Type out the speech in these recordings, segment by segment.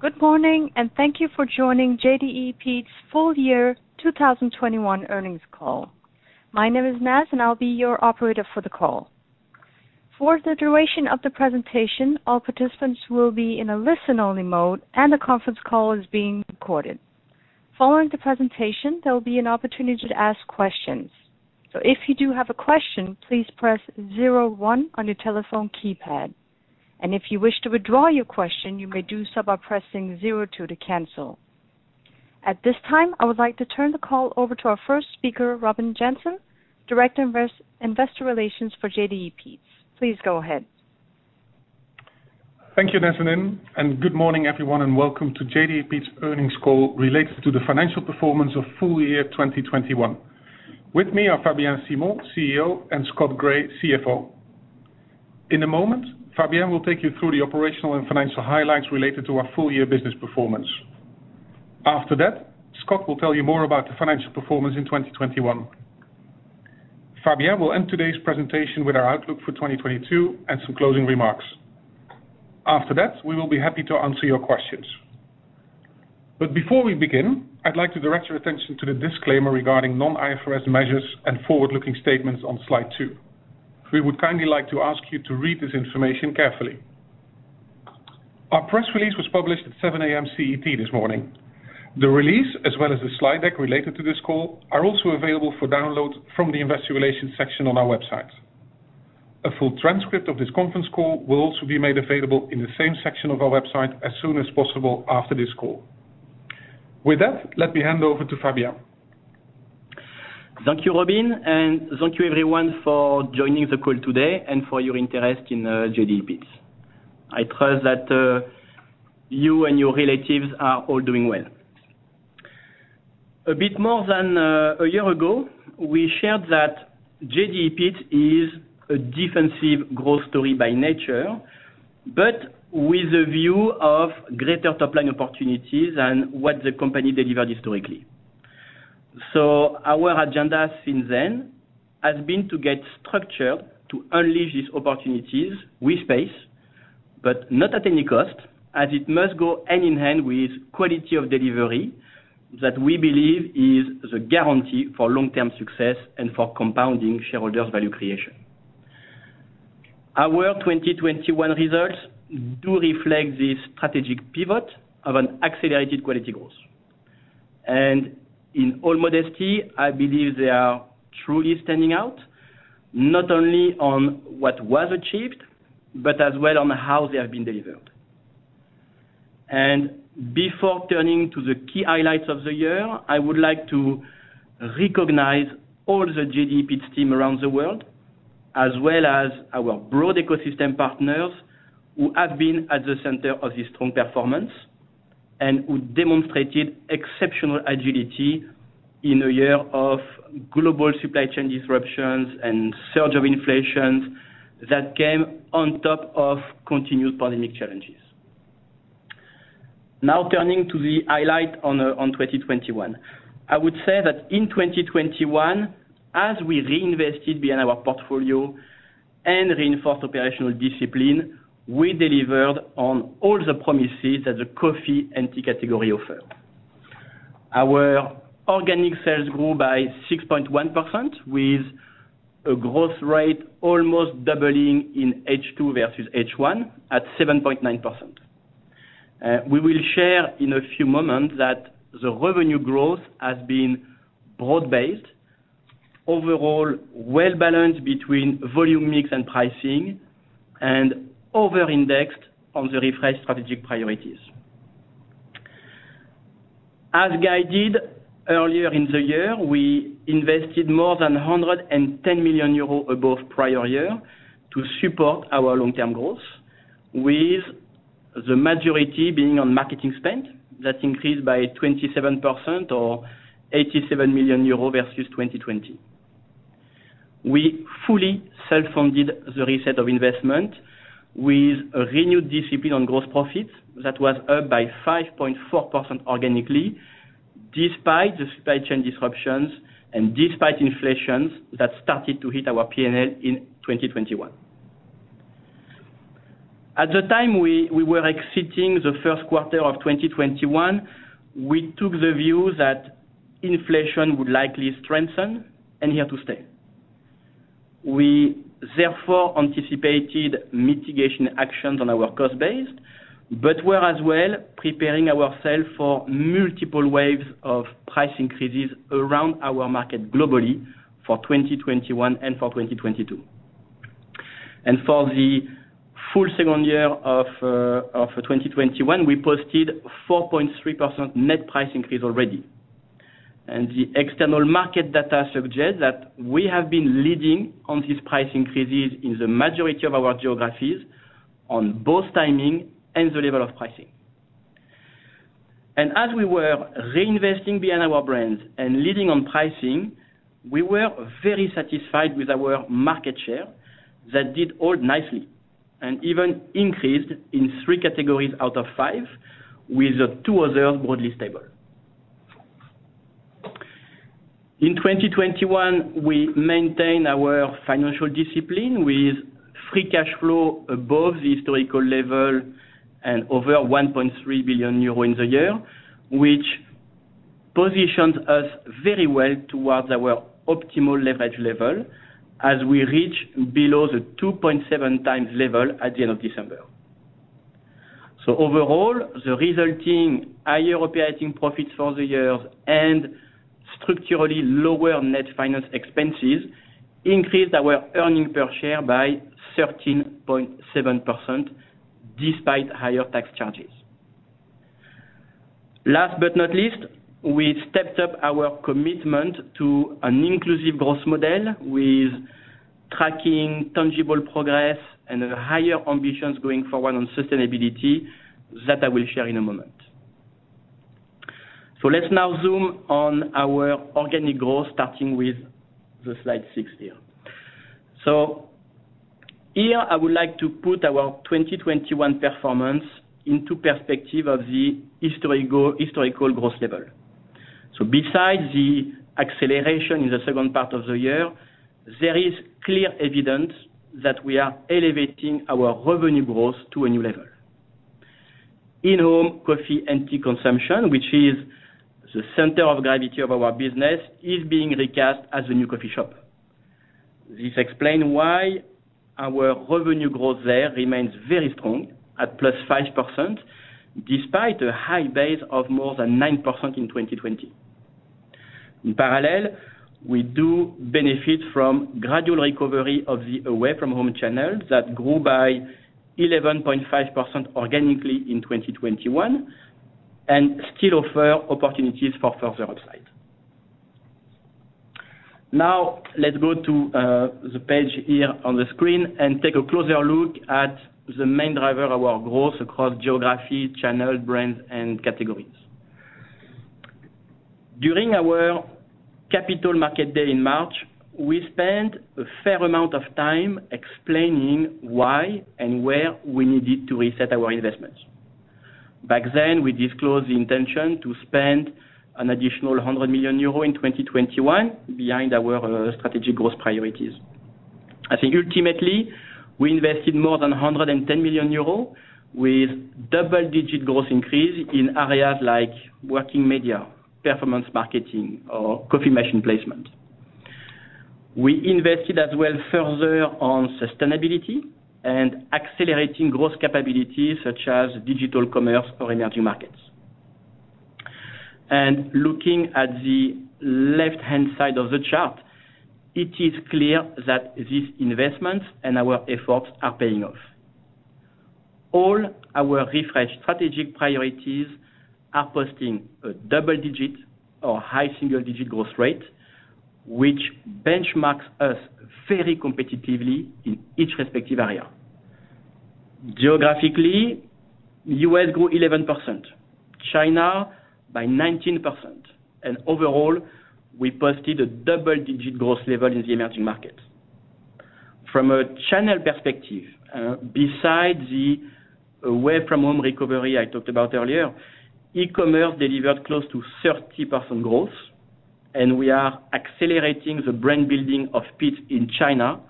Good morning, and thank you for joining JDE Peet's Full Year 2021 Earnings Call. My name is Nazanin, and I'll be your operator for the call. For the duration of the presentation, all participants will be in a listen-only mode, and the conference call is being recorded. Following the presentation, there'll be an opportunity to ask questions. If you do have a question, please press star one on your telephone keypad. If you wish to withdraw your question, you may do so by pressing star two to cancel. At this time, I would like to turn the call over to our first speaker, Robin Jansen, Director of Investor Relations for JDE Peet's. Please go ahead. Thank you, Nazanin, and good morning, everyone, and welcome to JDE Peet's earnings call related to the financial performance of full year 2021. With me are Fabien Simon, CEO, and Scott Gray, CFO. In a moment, Fabien will take you through the operational and financial highlights related to our full-year business performance. After that, Scott will tell you more about the financial performance in 2021. Fabien will end today's presentation with our outlook for 2022 and some closing remarks. After that, we will be happy to answer your questions. Before we begin, I'd like to direct your attention to the disclaimer regarding non-IFRS measures and forward-looking statements on slide two. We would kindly like to ask you to read this information carefully. Our press release was published at 7 A.M. CET this morning. The release, as well as the slide deck related to this call, are also available for download from the Investor Relations section on our website. A full transcript of this conference call will also be made available in the same section of our website as soon as possible after this call. With that, let me hand over to Fabien. Thank you, Robin, and thank you everyone for joining the call today and for your interest in JDE Peet's. I trust that you and your relatives are all doing well. A bit more than a year ago, we shared that JDE Peet's is a defensive growth story by nature, but with a view of greater top-line opportunities than what the company delivered historically. Our agenda since then has been to get structured to unleash these opportunities with pace, but not at any cost, as it must go hand in hand with quality of delivery that we believe is the guarantee for long-term success and for compounding shareholders' value creation. Our 2021 results do reflect this strategic pivot of an accelerated quality growth. In all modesty, I believe they are truly standing out, not only on what was achieved, but as well on how they have been delivered. Before turning to the key highlights of the year, I would like to recognize all the JDE Peet's team around the world, as well as our broad ecosystem partners who have been at the center of this strong performance and who demonstrated exceptional agility in a year of global supply chain disruptions and surge of inflation that came on top of continued pandemic challenges. Now, turning to the highlights of 2021. I would say that in 2021, as we reinvested behind our portfolio and reinforced operational discipline, we delivered on all the promises that the coffee and tea category offered. Our organic sales grew by 6.1%, with a growth rate almost doubling in H2 versus H1 at 7.9%. We will share in a few moments that the revenue growth has been broad-based, overall well-balanced between volume mix and pricing, and over-indexed on the refreshed strategic priorities. As guided earlier in the year, we invested more than 110 million euros above prior year to support our long-term goals, with the majority being on marketing spend. That increased by 27% or 87 million euros versus 2020. We fully self-funded the reset of investment with a renewed discipline on gross profits that was up by 5.4% organically, despite the supply chain disruptions and despite inflation that started to hit our P&L in 2021. At the time we were exiting the first quarter of 2021, we took the view that inflation would likely strengthen and here to stay. We therefore anticipated mitigation actions on our cost base, but we're as well preparing ourselves for multiple waves of price increases around our market globally for 2021 and for 2022. For the full second year of 2021, we posted 4.3% net price increase already. The external market data suggests that we have been leading on these price increases in the majority of our geographies on both timing and the level of pricing. And as we were reinvesting behind our brands and leading on pricing, we were very satisfied with our market share that did hold nicely and even increased in three categories out of five, with the two others broadly stable. In 2021, we maintained our financial discipline with free cash flow above the historical level and over 1.3 billion euro in the year, which positions us very well towards our optimal leverage level as we reach below the 2.7x level at the end of December. Overall, the resulting higher operating profits for the year and structurally lower net finance expenses increased our earnings per share by 13.7% despite higher tax charges. Last but not least, we stepped up our commitment to an inclusive growth model with tracking tangible progress and higher ambitions going forward on sustainability that I will share in a moment. Let's now zoom on our organic growth, starting with the slide six here. Here, I would like to put our 2021 performance into perspective of the historical growth level. Besides the acceleration in the second part of the year, there is clear evidence that we are elevating our revenue growth to a new level. In-home coffee and tea consumption, which is the center of gravity of our business, is being recast as the new coffee shop. This explains why our revenue growth there remains very strong at +5%, despite a high base of more than 9% in 2020. In parallel, we do benefit from gradual recovery of the away from home channels that grew by 11.5% organically in 2021 and still offer opportunities for further upside. Now, let's go to, the page here on the screen and take a closer look at the main driver of our growth across geography, channel, brands, and categories. During our Capital Markets Day in March, we spent a fair amount of time explaining why and where we needed to reset our investments. Back then, we disclosed the intention to spend an additional 100 million euro in 2021 behind our strategic growth priorities. I think ultimately, we invested more than 110 million euros with double-digit growth increase in areas like working media, performance marketing or coffee machine placement. We invested as well further on sustainability and accelerating growth capabilities such as digital commerce or emerging markets. Looking at the left-hand side of the chart, it is clear that these investments and our efforts are paying off. All our refreshed strategic priorities are posting a double-digit or high single-digit growth rate, which benchmarks us very competitively in each respective area. Geographically, U.S. grew 11%, China by 19%, and overall, we posted a double-digit growth level in the emerging markets. From a channel perspective, besides the away from home recovery I talked about earlier, e-commerce delivered close to 30% growth, and we are accelerating the brand building of Peet's in China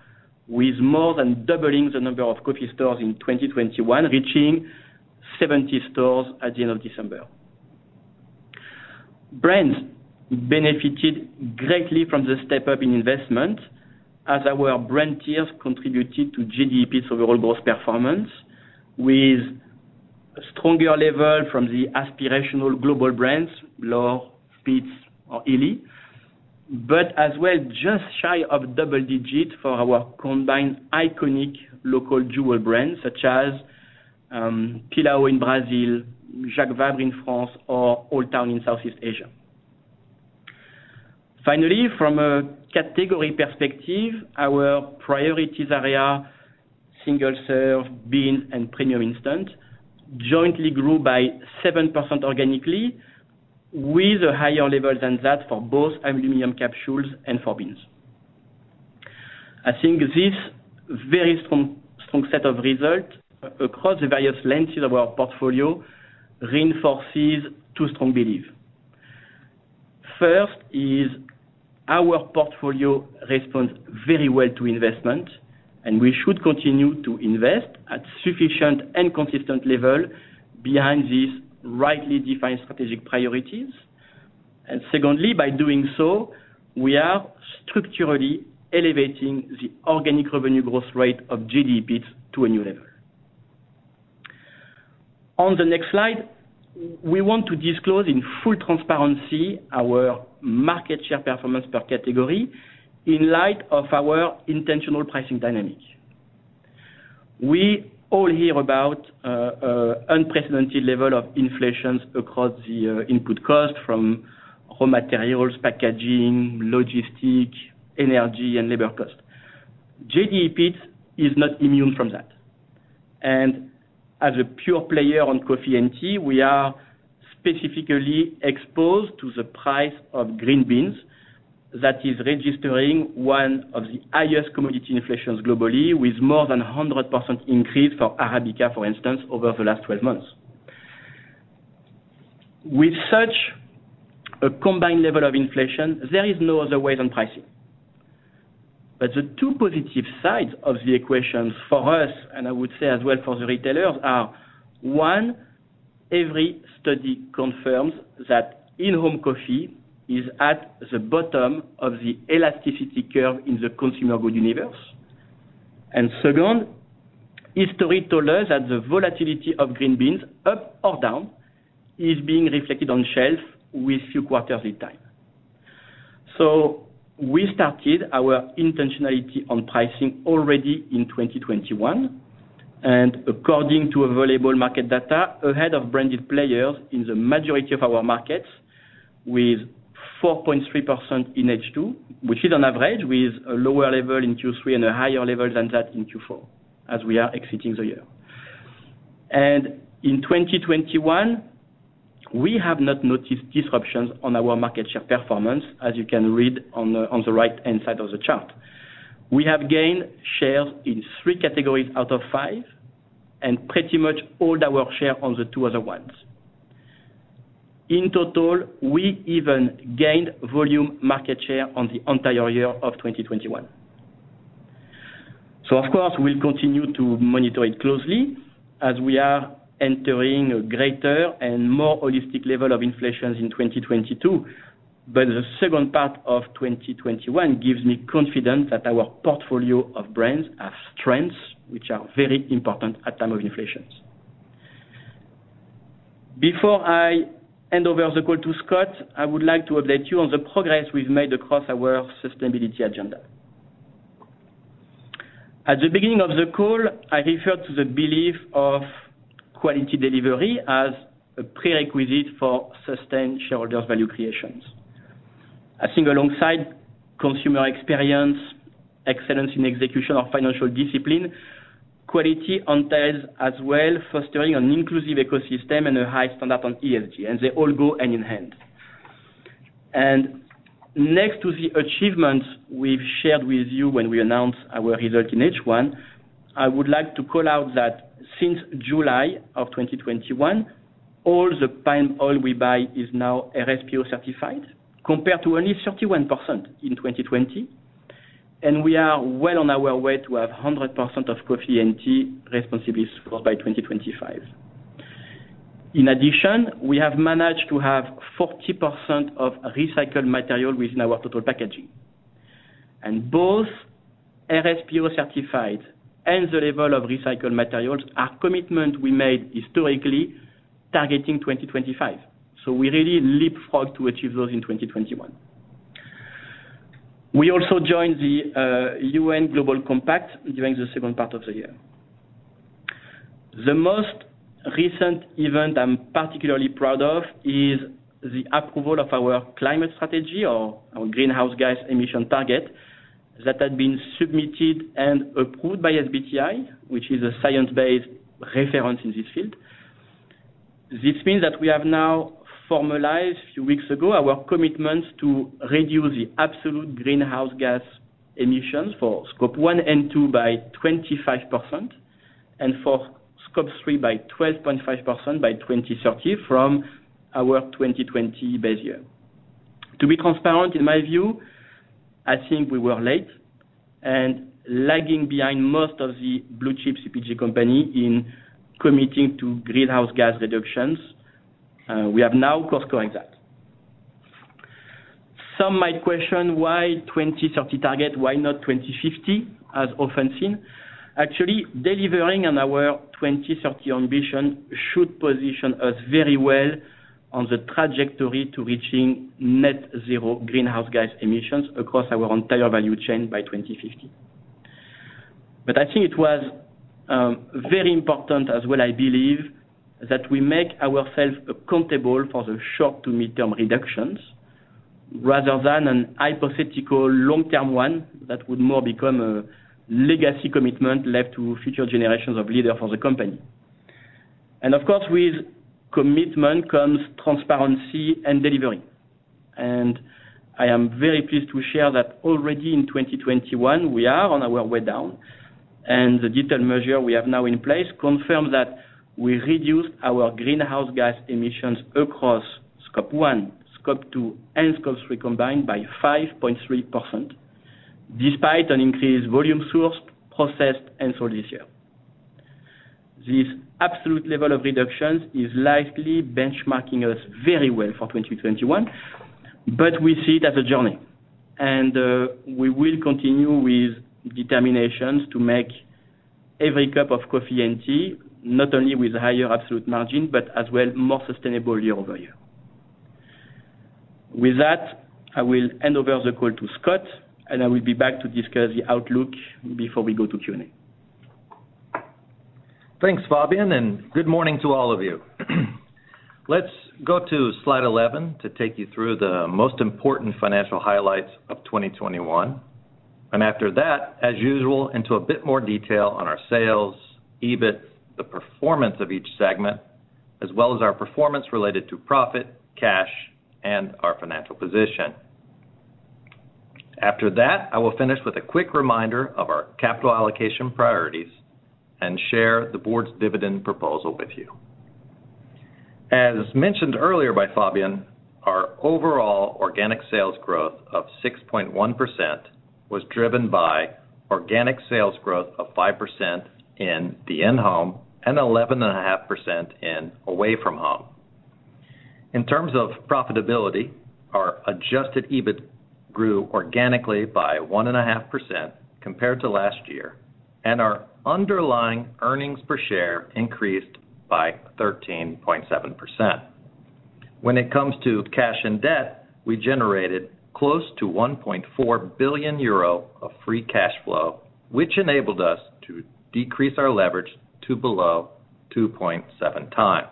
with more than doubling the number of coffee stores in 2021, reaching 70 stores at the end of December. Brands benefited greatly from the step-up in investment as our brand tiers contributed to JDE Peet's overall growth performance with a stronger level from the aspirational global brands, L'OR, Peet's, or illy, but as well, just shy of double digits for our combined iconic local jewel brands such as Pilão in Brazil, Jacques Vabre in France or OldTown in Southeast Asia. Finally, from a category perspective, our priorities area, single-serve, beans and premium instant, jointly grew by 7% organically with a higher level than that for both aluminum capsules and for beans. I think this very strong set of results across the various lenses of our portfolio reinforces two strong belief. First is our portfolio responds very well to investment, and we should continue to invest at sufficient and consistent level behind these rightly defined strategic priorities. Secondly, by doing so, we are structurally elevating the organic revenue growth rate of JDE Peet's to a new level. On the next slide, we want to disclose in full transparency our market share performance per category in light of our intentional pricing dynamic. We all hear about unprecedented level of inflation across the input costs from raw materials, packaging, logistics, energy and labor costs. JDE Peet's is not immune from that. As a pure player on coffee and tea, we are specifically exposed to the price of green beans that is registering one of the highest commodity inflations globally with more than 100% increase for Arabica, for instance, over the last 12 months. With such a combined level of inflation, there is no other way than pricing. The two positive sides of the equation for us, and I would say as well for the retailers, are one, every study confirms that in-home coffee is at the bottom of the elasticity curve in the consumer good universe. Second, history told us that the volatility of green beans up or down is being reflected on shelf with few quarters lead time. We started our intentionality on pricing already in 2021, and according to available market data, ahead of branded players in the majority of our markets with 4.3% in H2, which is on average, with a lower level in Q3 and a higher level than that in Q4 as we are exiting the year. In 2021, we have not noticed disruptions on our market share performance, as you can read on the right-hand side of the chart. We have gained shares in three categories out of five and pretty much hold our share on the two other ones. In total, we even gained volume market share on the entire year of 2021. Of course, we'll continue to monitor it closely as we are entering a greater and more holistic level of inflations in 2022. The second part of 2021 gives me confidence that our portfolio of brands have strengths which are very important at time of inflations. Before I hand over the call to Scott, I would like to update you on the progress we've made across our sustainability agenda. At the beginning of the call, I referred to the belief of quality delivery as a prerequisite for sustained shareholders value creations. I think alongside consumer experience, excellence in execution of financial discipline, quality entails as well, fostering an inclusive ecosystem and a high standard on ESG, and they all go hand in hand. Next to the achievements we've shared with you when we announced our result in H1, I would like to call out that since July of 2021, all the palm oil we buy is now RSPO certified, compared to only 31% in 2020, and we are well on our way to have 100% of coffee and tea responsibly sourced by 2025. In addition, we have managed to have 40% of recycled material within our total packaging. Both RSPO certified and the level of recycled materials are commitment we made historically targeting 2025. We really leapfrogged to achieve those in 2021. We also joined the UN Global Compact during the second part of the year. The most recent event I'm particularly proud of is the approval of our climate strategy or our greenhouse gas emission target that had been submitted and approved by SBTi, which is a science-based reference in this field. This means that we have now formalized few weeks ago our commitment to reduce the absolute greenhouse gas emissions for Scope 1 and 2 by 25%, and for Scope 3 by 12.5% by 2030 from our 2020 base year. To be transparent, in my view, I think we were late and lagging behind most of the blue-chip CPG company in committing to greenhouse gas reductions. We have now course-corrected that. Some might question why 2030 target, why not 2050, as often seen. Actually, delivering on our 2030 ambition should position us very well on the trajectory to reaching net zero greenhouse gas emissions across our entire value chain by 2050. I think it was very important as well, I believe, that we make ourselves accountable for the short to midterm reductions rather than a hypothetical long-term one that would more become a legacy commitment left to future generations of leaders for the company. Of course, with commitment comes transparency and delivery. I am very pleased to share that already in 2021, we are on our way down, and the detailed measures we have now in place confirm that we reduced our greenhouse gas emissions across Scope 1, Scope 2, and Scope 3 combined by 5.3%, despite an increased volume sourced, processed, and sold this year. This absolute level of reductions is likely benchmarking us very well for 2021, but we see it as a journey, and we will continue with determinations to make every cup of coffee and tea, not only with higher absolute margin, but as well more sustainable year over year. With that, I will hand over the call to Scott, and I will be back to discuss the outlook before we go to Q&A. Thanks, Fabien, and good morning to all of you. Let's go to slide 11 to take you through the most important financial highlights of 2021. After that, as usual, into a bit more detail on our sales, EBIT, the performance of each segment, as well as our performance related to profit, cash, and our financial position. After that, I will finish with a quick reminder of our capital allocation priorities and share the board's dividend proposal with you. As mentioned earlier by Fabien, our overall organic sales growth of 6.1% was driven by organic sales growth of 5% in the in-home and 11.5% in away from home. In terms of profitability, our adjusted EBIT grew organically by 1.5% compared to last year, and our underlying earnings per share increased by 13.7%. When it comes to cash and debt, we generated close to 1.4 billion euro of free cash flow, which enabled us to decrease our leverage to below 2.7x.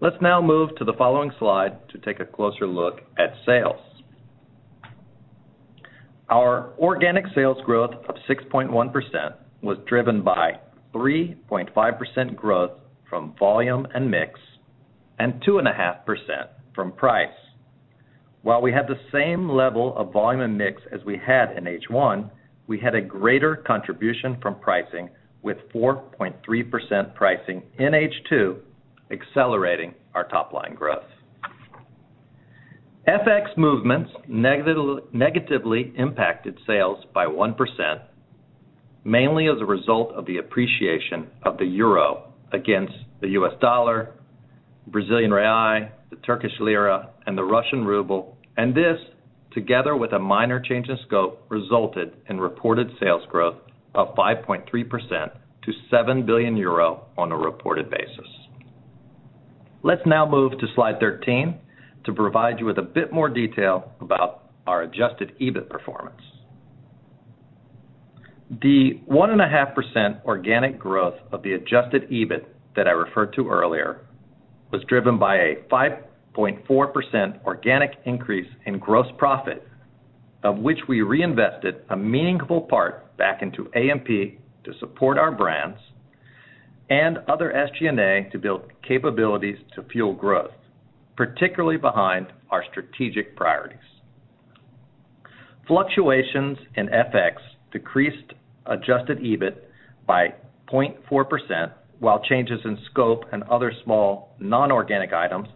Let's now move to the following slide to take a closer look at sales. Our organic sales growth of 6.1% was driven by 3.5% growth from volume and mix and 2.5% from price. While we had the same level of volume and mix as we had in H1, we had a greater contribution from pricing with 4.3% pricing in H2, accelerating our top line growth. FX movements negatively impacted sales by 1%, mainly as a result of the appreciation of the euro against the U.S. dollar, Brazilian real, the Turkish lira, and the Russian ruble, and this, together with a minor change in scope, resulted in reported sales growth of 5.3% to 7 billion euro on a reported basis. Let's now move to slide 13 to provide you with a bit more detail about our adjusted EBIT performance. The 1.5% organic growth of the adjusted EBIT that I referred to earlier was driven by a 5.4% organic increase in gross profit, of which we reinvested a meaningful part back into AMP to support our brands and other SG&A to build capabilities to fuel growth, particularly behind our strategic priorities. Fluctuations in FX decreased adjusted EBIT by 0.4%, while changes in scope and other small non-organic items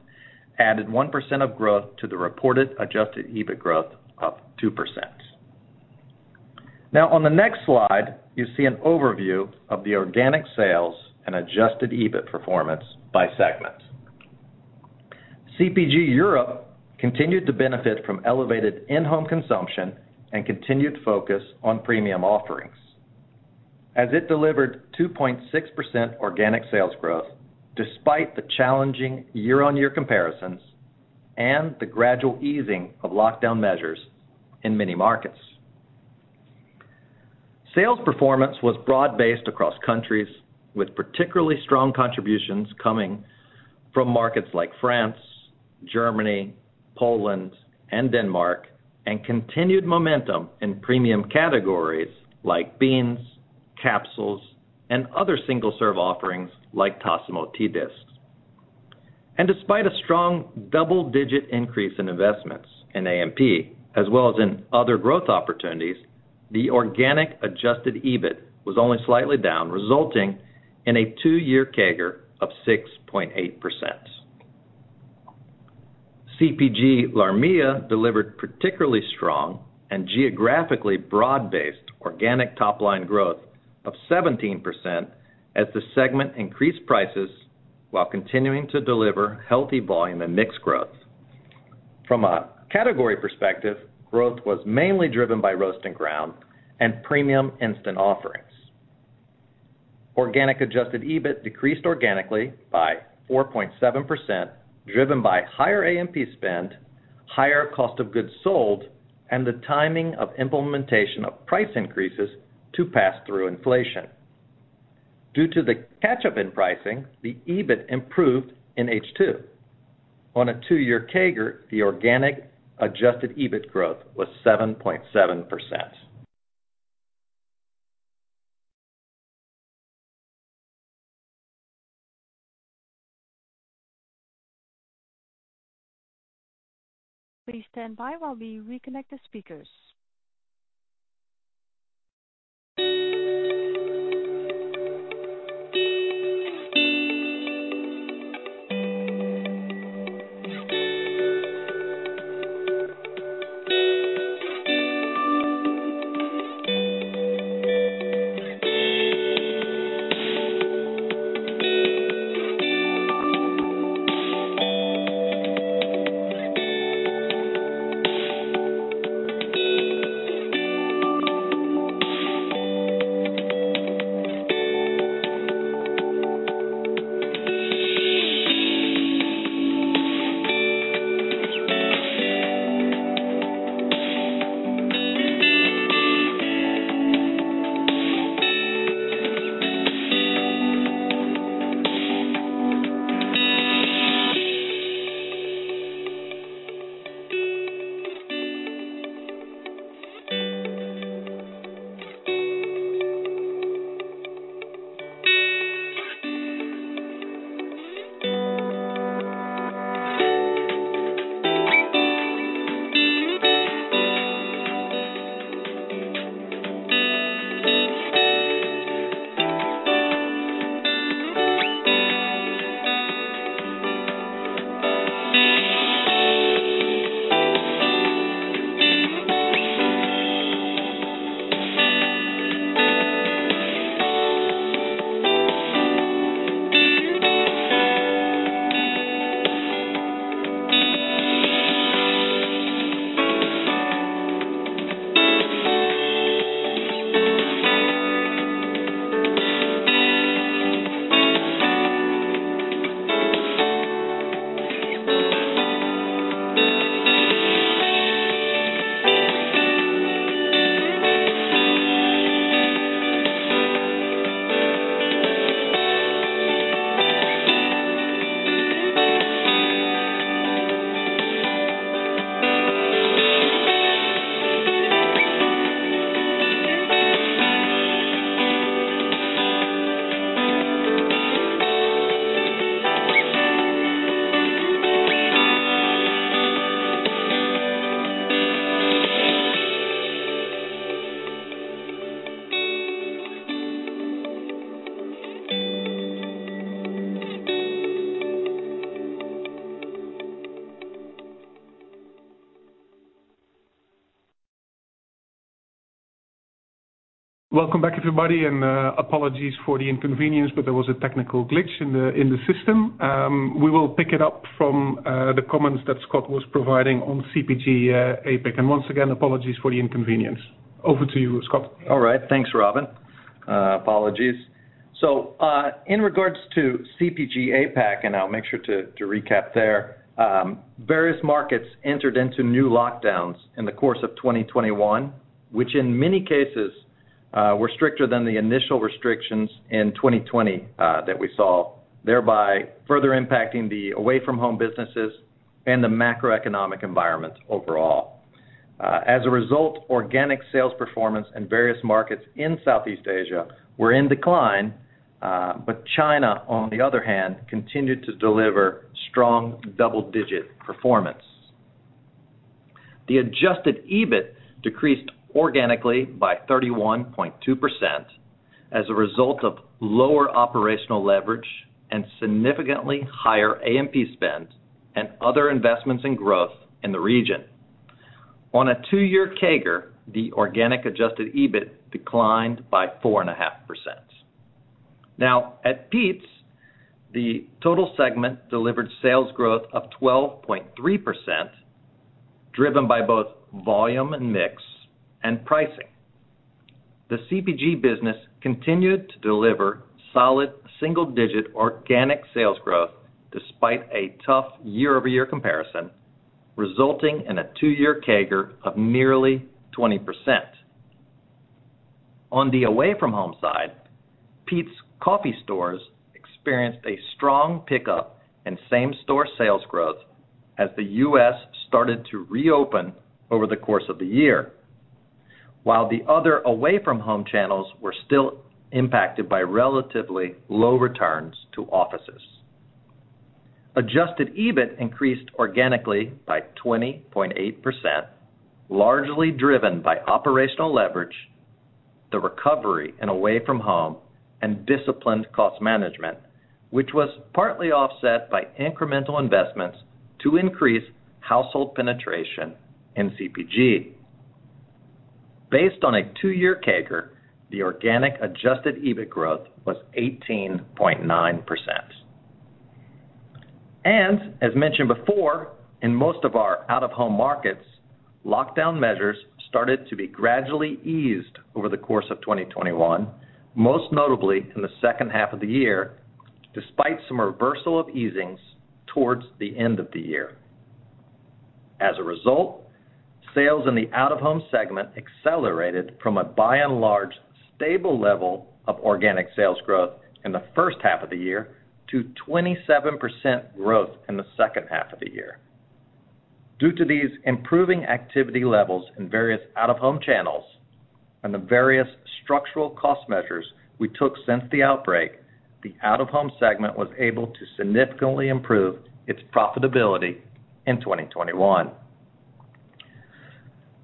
added 1% of growth to the reported adjusted EBIT growth of 2%. Now on the next slide, you see an overview of the organic sales and adjusted EBIT performance by segment. CPG Europe continued to benefit from elevated in-home consumption and continued focus on premium offerings as it delivered 2.6% organic sales growth despite the challenging year-on-year comparisons and the gradual easing of lockdown measures in many markets. Sales performance was broad-based across countries, with particularly strong contributions coming from markets like France, Germany, Poland, and Denmark, and continued momentum in premium categories like beans, capsules, and other single-serve offerings like Tassimo T DISCs. Despite a strong double-digit increase in investments in AMP as well as in other growth opportunities, the organic adjusted EBIT was only slightly down, resulting in a two-year CAGR of 6.8%. CPG LARMEA delivered particularly strong and geographically broad-based organic top-line growth of 17% as the segment increased prices while continuing to deliver healthy volume and mix growth. From a category perspective, growth was mainly driven by roast and ground and premium instant offerings. Organic adjusted EBIT decreased organically by 4.7%, driven by higher AMP spend, higher cost of goods sold, and the timing of implementation of price increases to pass through inflation. Due to the catch-up in pricing, the EBIT improved in H2. On a two-year CAGR, the organic adjusted EBIT growth was 7.7%. Please stand by while we reconnect the speakers. Welcome back everybody, and apologies for the inconvenience, but there was a technical glitch in the system. We will pick it up from the comments that Scott was providing on CPG APAC. Once again, apologies for the inconvenience. Over to you, Scott. All right. Thanks, Robin. Apologies. In regards to CPG APAC, and I'll make sure to recap there, various markets entered into new lockdowns in the course of 2021, which in many cases were stricter than the initial restrictions in 2020 that we saw, thereby further impacting the away from home businesses and the macroeconomic environment overall. As a result, organic sales performance in various markets in Southeast Asia were in decline, but China, on the other hand, continued to deliver strong double-digit performance. The adjusted EBIT decreased organically by 31.2% as a result of lower operational leverage and significantly higher A&P spend and other investments in growth in the region. On a two-year CAGR, the organic adjusted EBIT declined by 4.5%. Now, at Peet's, the total segment delivered sales growth of 12.3%, driven by both volume and mix and pricing. The CPG business continued to deliver solid single-digit organic sales growth despite a tough year-over-year comparison, resulting in a two-year CAGR of nearly 20%. On the away from home side, Peet's coffee stores experienced a strong pickup in same-store sales growth as the U.S. started to reopen over the course of the year, while the other away from home channels were still impacted by relatively low returns to offices. Adjusted EBIT increased organically by 20.8%, largely driven by operational leverage, the recovery in away from home and disciplined cost management, which was partly offset by incremental investments to increase household penetration in CPG. Based on a two-year CAGR, the organic adjusted EBIT growth was 18.9%. As mentioned before, in most of our out-of-home markets, lockdown measures started to be gradually eased over the course of 2021, most notably in the second half of the year, despite some reversal of easings towards the end of the year. As a result, sales in the out-of-home segment accelerated from a by and large stable level of organic sales growth in the first half of the year to 27% growth in the second half of the year. Due to these improving activity levels in various out-of-home channels and the various structural cost measures we took since the outbreak, the out-of-home segment was able to significantly improve its profitability in 2021.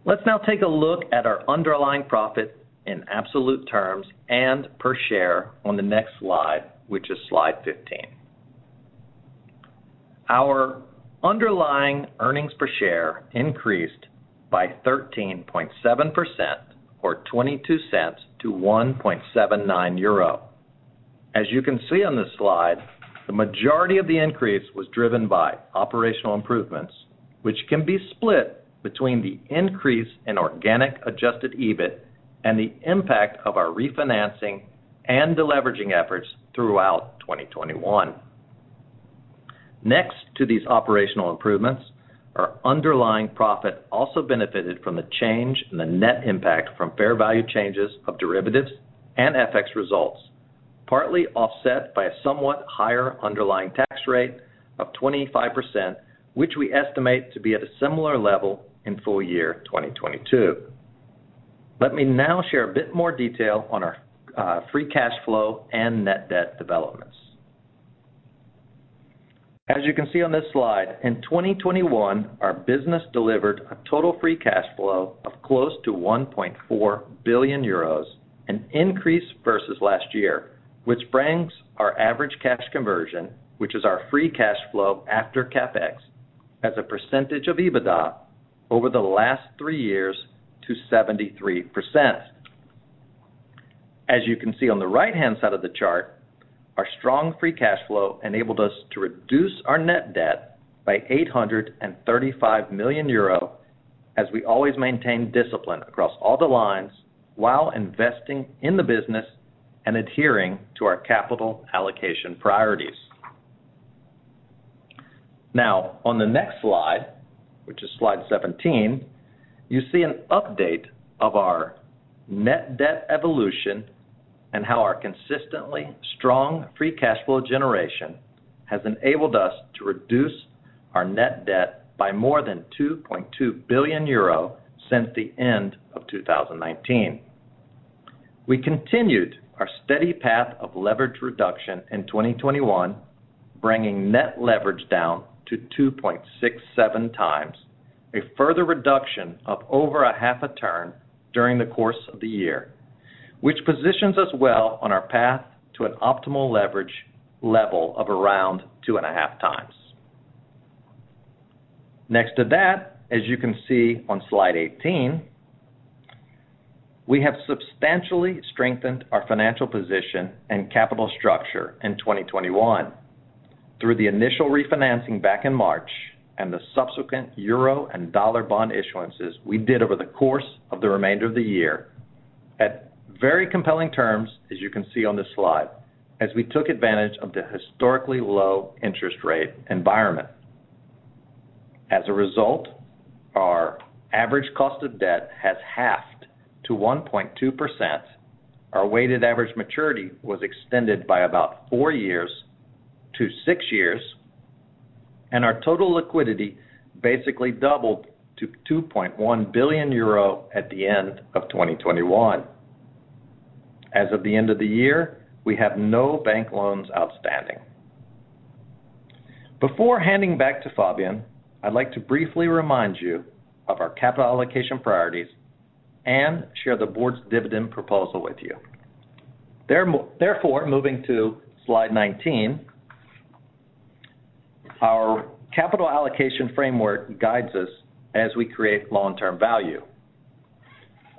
Let's now take a look at our underlying profit in absolute terms and per share on the next slide, which is slide 15. Our underlying earnings per share increased by 13.7% or 0.22 to 1.79 euro. As you can see on this slide, the majority of the increase was driven by operational improvements, which can be split between the increase in organic adjusted EBIT and the impact of our refinancing and deleveraging efforts throughout 2021. Next to these operational improvements, our underlying profit also benefited from the change in the net impact from fair value changes of derivatives and FX results, partly offset by a somewhat higher underlying tax rate of 25%, which we estimate to be at a similar level in full year 2022. Let me now share a bit more detail on our free cash flow and net debt developments. As you can see on this slide, in 2021, our business delivered a total free cash flow of close to 1.4 billion euros, an increase versus last year, which brings our average cash conversion, which is our free cash flow after CapEx, as a percentage of EBITDA over the last three years to 73%. As you can see on the right-hand side of the chart, our strong free cash flow enabled us to reduce our net debt by 835 million euro, as we always maintain discipline across all the lines while investing in the business and adhering to our capital allocation priorities. Now, on the next slide, which is slide 17, you see an update of our net debt evolution and how our consistently strong free cash flow generation has enabled us to reduce our net debt by more than 2.2 billion euro since the end of 2019. We continued our steady path of leverage reduction in 2021, bringing net leverage down to 2.67x, a further reduction of over a half a turn during the course of the year, which positions us well on our path to an optimal leverage level of around 2.5x. Next to that, as you can see on slide 18, we have substantially strengthened our financial position and capital structure in 2021 through the initial refinancing back in March and the subsequent euro and dollar bond issuances we did over the course of the remainder of the year at very compelling terms, as you can see on this slide, as we took advantage of the historically low interest rate environment. As a result, our average cost of debt has halved to 1.2%. Our weighted average maturity was extended by about four years to six years, and our total liquidity basically doubled to 2.1 billion euro at the end of 2021. As of the end of the year, we have no bank loans outstanding. Before handing back to Fabien, I'd like to briefly remind you of our capital allocation priorities and share the board's dividend proposal with you. Therefore, moving to slide 19. Our capital allocation framework guides us as we create long-term value.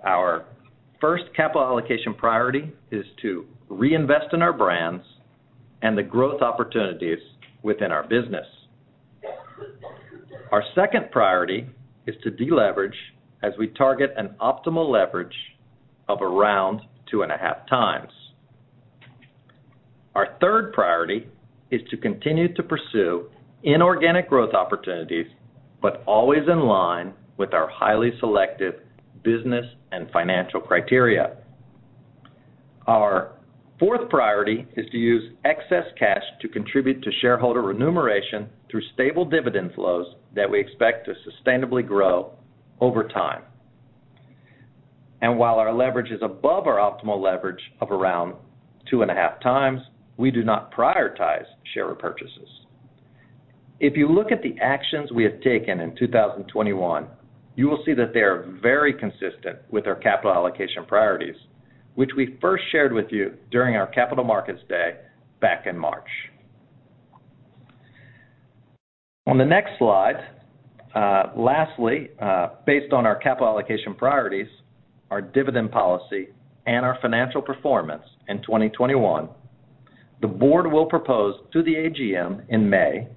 Our first capital allocation priority is to reinvest in our brands and the growth opportunities within our business. Our second priority is to deleverage as we target an optimal leverage of around 2.5x. Our third priority is to continue to pursue inorganic growth opportunities, but always in line with our highly selective business and financial criteria. Our fourth priority is to use excess cash to contribute to shareholder remuneration through stable dividend flows that we expect to sustainably grow over time. While our leverage is above our optimal leverage of around 2.5x, we do not prioritize share repurchases. If you look at the actions we have taken in 2021, you will see that they are very consistent with our capital allocation priorities, which we first shared with you during our Capital Markets Day back in March. On the next slide, lastly, based on our capital allocation priorities, our dividend policy, and our financial performance in 2021, the board will propose to the AGM in May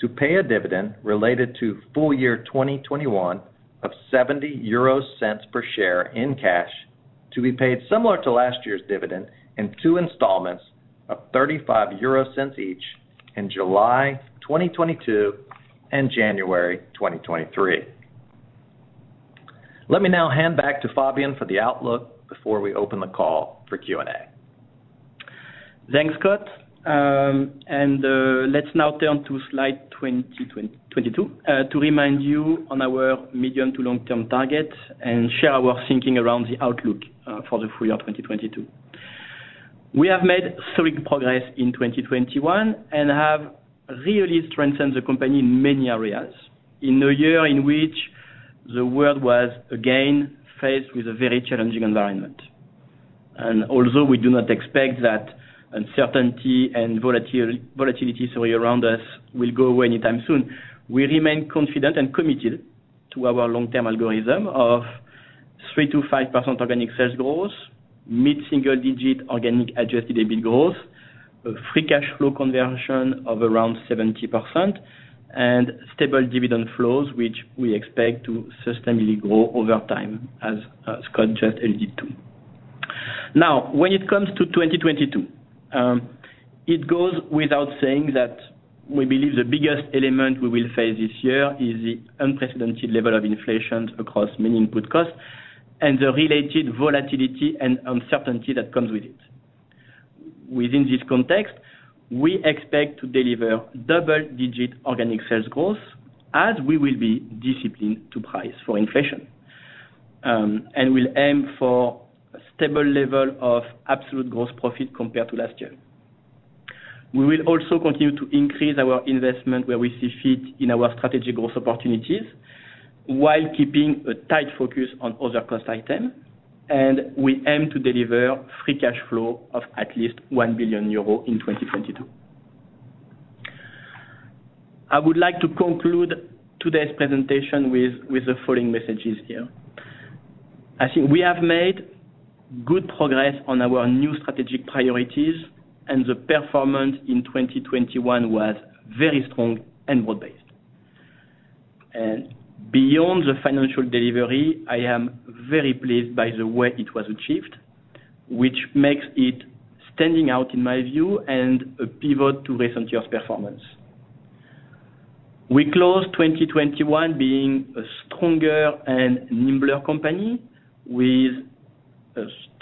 to pay a dividend related to full year 2021 of 0.70 per share in cash, to be paid similar to last year's dividend in two installments of 0.35 each in July 2022 and January 2023. Let me now hand back to Fabien for the outlook before we open the call for Q&A. Thanks, Scott. Let's now turn to slide 22 to remind you on our medium- to long-term target and share our thinking around the outlook for the full year of 2022. We have made solid progress in 2021 and have really strengthened the company in many areas in a year in which the world was again faced with a very challenging environment. Although we do not expect that uncertainty and volatility story around us will go away anytime soon, we remain confident and committed to our long-term algorithm of 3%-5% organic sales growth, mid-single-digit organic adjusted EBIT growth, a free cash flow conversion of around 70%, and stable dividend flows, which we expect to sustainably grow over time, as Scott just alluded to. Now, when it comes to 2022, it goes without saying that we believe the biggest element we will face this year is the unprecedented level of inflation across many input costs and the related volatility and uncertainty that comes with it. Within this context, we expect to deliver double-digit organic sales growth as we will be disciplined to price for inflation. We'll aim for a stable level of absolute gross profit compared to last year. We will also continue to increase our investment where we see fit in our strategic growth opportunities while keeping a tight focus on other cost items, and we aim to deliver free cash flow of at least 1 billion euro in 2022. I would like to conclude today's presentation with the following messages here. I think we have made good progress on our new strategic priorities, and the performance in 2021 was very strong and well-balanced. Beyond the financial delivery, I am very pleased by the way it was achieved, which makes it standing out in my view and a pivot to recent years' performance. We closed 2021 being a stronger and nimbler company with a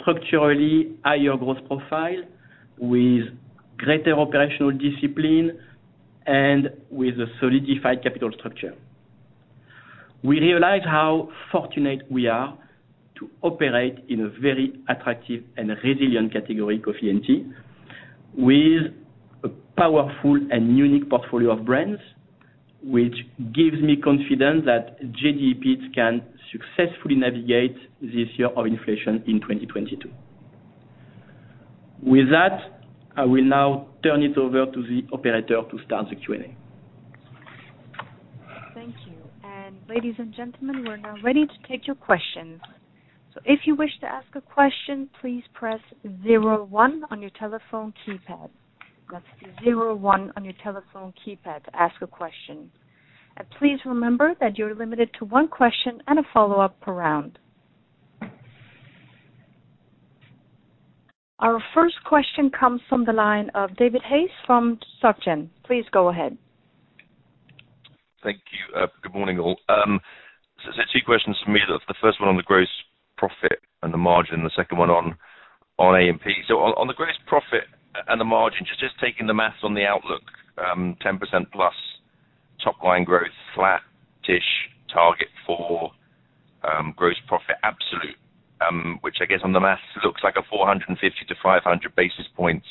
structurally higher growth profile, with greater operational discipline, and with a solidified capital structure. We realize how fortunate we are to operate in a very attractive and resilient category of coffee and tea, with a powerful and unique portfolio of brands, which gives me confidence that JDE Peet's can successfully navigate this year of inflation in 2022. With that, I will now turn it over to the operator to start the Q&A. Thank you. Ladies and gentlemen, we're now ready to take your questions. If you wish to ask a question, please press zero one on your telephone keypad. That's zero one on your telephone keypad to ask a question. Please remember that you're limited to one question and a follow-up per round. Our first question comes from the line of David Hayes from Soc Gen. Please go ahead. Thank you. Good morning, all. There's two questions from me. The first one on the gross profit and the margin. The second one on AMP. On the gross profit and the margin, just taking the math on the outlook, 10% plus top line growth, flattish target for gross profit absolute, which I guess on the math looks like a 450-500 basis points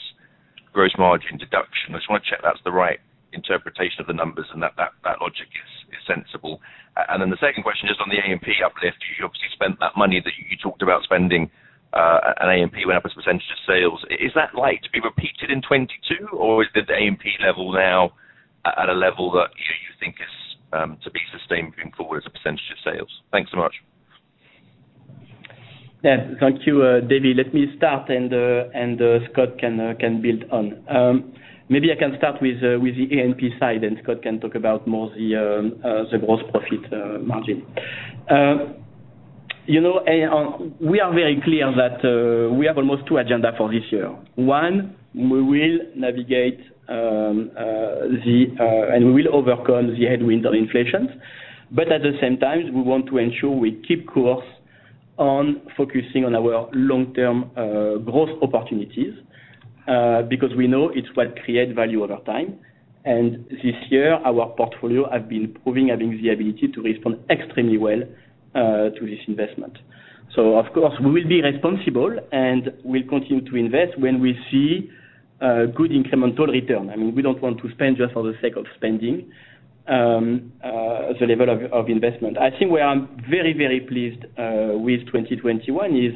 gross margin deduction. I just wanna check that's the right interpretation of the numbers and that logic is sensible. The second question, just on the AMP uplift, you obviously spent that money that you talked about spending, at AMP went up as a percentage of sales. Is that likely to be repeated in 2022, or is the AMP level now at a level that you think is to be sustained moving forward as a % of sales? Thanks so much. Yeah. Thank you, David. Let me start, and Scott can build on. Maybe I can start with the AMP side, and Scott can talk about more the gross profit margin. You know, we are very clear that we have almost two agendas for this year. One, we will navigate and we will overcome the headwind of inflation. At the same time, we want to ensure we keep course on focusing on our long-term growth opportunities because we know it's what create value over time. This year, our portfolio have been proving having the ability to respond extremely well to this investment. Of course, we will be responsible, and we'll continue to invest when we see good incremental return. I mean, we don't want to spend just for the sake of spending, the level of investment. I think where I'm very, very pleased with 2021 is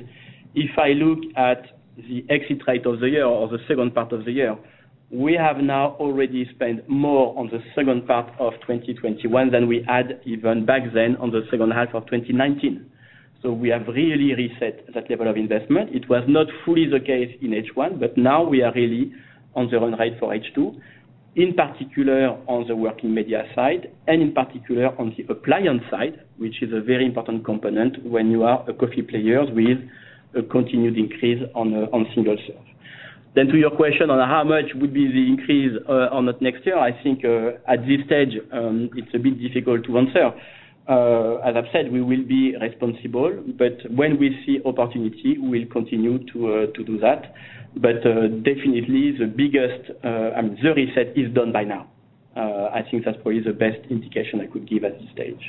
if I look at the exit rate of the year or the second part of the year, we have now already spent more on the second part of 2021 than we had even back then on the second half of 2019. We have really reset that level of investment. It was not fully the case in H1, but now we are really on the run rate for H2, in particular on the working media side and in particular on the appliance side, which is a very important component when you are a coffee player with a continued increase on single serve. To your question on how much would be the increase on that next year, I think at this stage it's a bit difficult to answer. As I've said, we will be responsible, but when we see opportunity, we'll continue to do that. Definitely the biggest, I mean, the reset is done by now. I think that's probably the best indication I could give at this stage.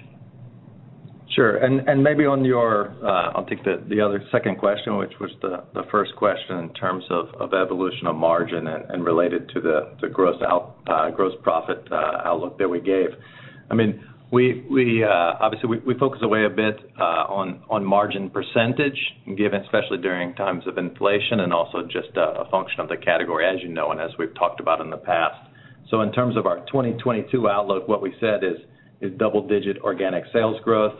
Sure. Maybe on your, I'll take the other second question, which was the first question in terms of evolution of margin and related to the gross profit outlook that we gave. I mean, we obviously focus away a bit on margin percentage, given especially during times of inflation and also just a function of the category as you know and as we've talked about in the past. In terms of our 2022 outlook, what we said is double-digit organic sales growth.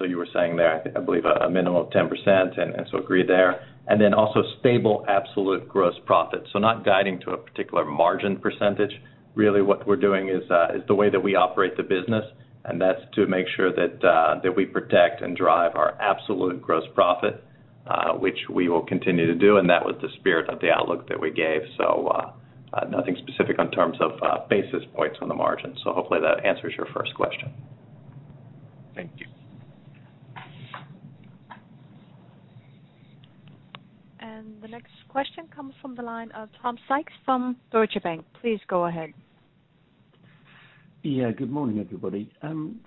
You were saying there, I think, I believe a minimum of 10%, and so agree there. Also stable absolute gross profit. Not guiding to a particular margin percentage. Really what we're doing is the way that we operate the business, and that's to make sure that we protect and drive our absolute gross profit, which we will continue to do, and that was the spirit of the outlook that we gave. Nothing specific in terms of basis points on the margin. Hopefully that answers your first question. Thank you. The next question comes from the line of Tom Sykes from Deutsche Bank. Please go ahead. Yeah, good morning, everybody.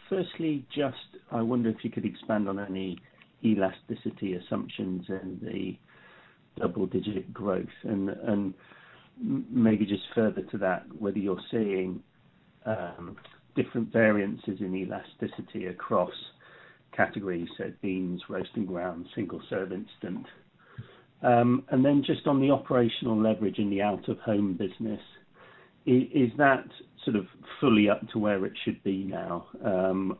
Firstly, just I wonder if you could expand on any elasticity assumptions and the double-digit growth and maybe just further to that, whether you're seeing different variances in elasticity across categories, so beans, roast and ground, single-serve instant. Then just on the operational leverage in the out-of-home business, is that sort of fully up to where it should be now,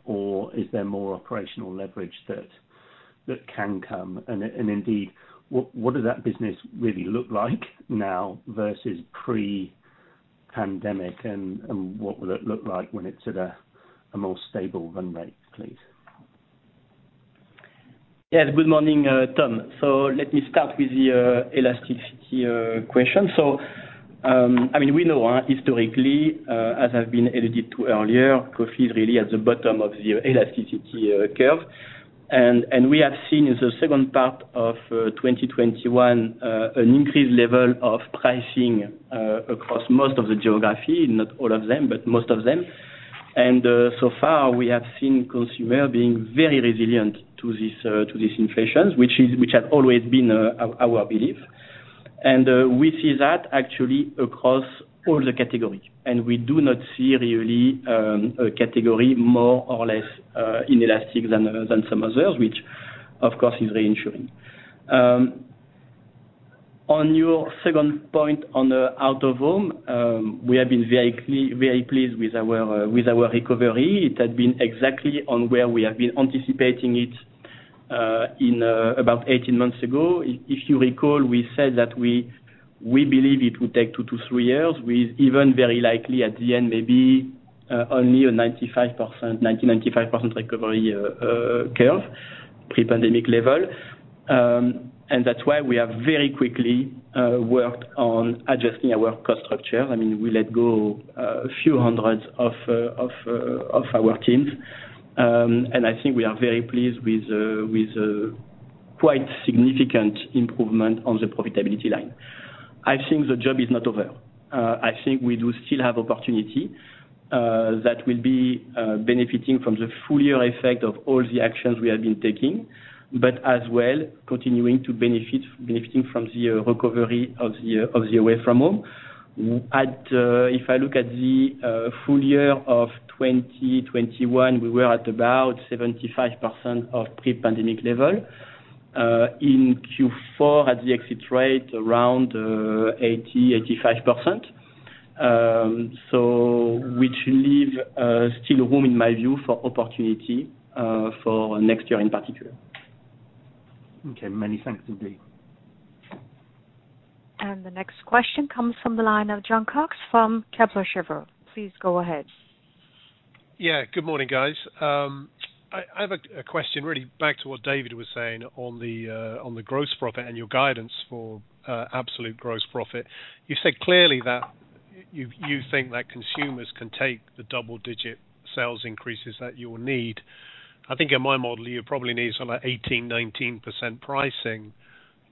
or is there more operational leverage that can come? Indeed, what does that business really look like now versus pre-pandemic, and what will it look like when it's at a more stable run rate, please? Yes, good morning, Tom. Let me start with the elasticity question. I mean, we know, historically, as I've been alluded to earlier, coffee is really at the bottom of the elasticity curve. We have seen in the second part of 2021 an increased level of pricing across most of the geography, not all of them, but most of them. So far, we have seen consumer being very resilient to this, to this inflation, which had always been our belief. We see that actually across all the category. We do not see really a category more or less inelastic than some others, which of course is reassuring. On your second point on the out-of-home, we have been very pleased with our recovery. It had been exactly on where we have been anticipating it in about 18 months ago. If you recall, we said that we believe it would take two to three years, with even very likely at the end, maybe only a 95% recovery curve, pre-pandemic level. That's why we have very quickly worked on adjusting our cost structure. I mean, we let go a few hundred of our teams. I think we are very pleased with quite significant improvement on the profitability line. I think the job is not over. I think we do still have opportunity that will be benefiting from the full year effect of all the actions we have been taking, but as well continuing to benefit from the recovery of the away-from-home. If I look at the full year of 2021, we were at about 75% of pre-pandemic level. In Q4 at the exit rate, around 80-85%. Which leaves still room, in my view, for opportunity for next year in particular. Okay. Many thanks, Fabien. The next question comes from the line of Jon Cox from Kepler Cheuvreux. Please go ahead. Yeah. Good morning, guys. I have a Q&A question really back to what David was saying on the gross profit and your guidance for absolute gross profit. You said clearly that you think that consumers can take the double-digit sales increases that you will need. I think in my model, you probably need some 18%, 19% pricing.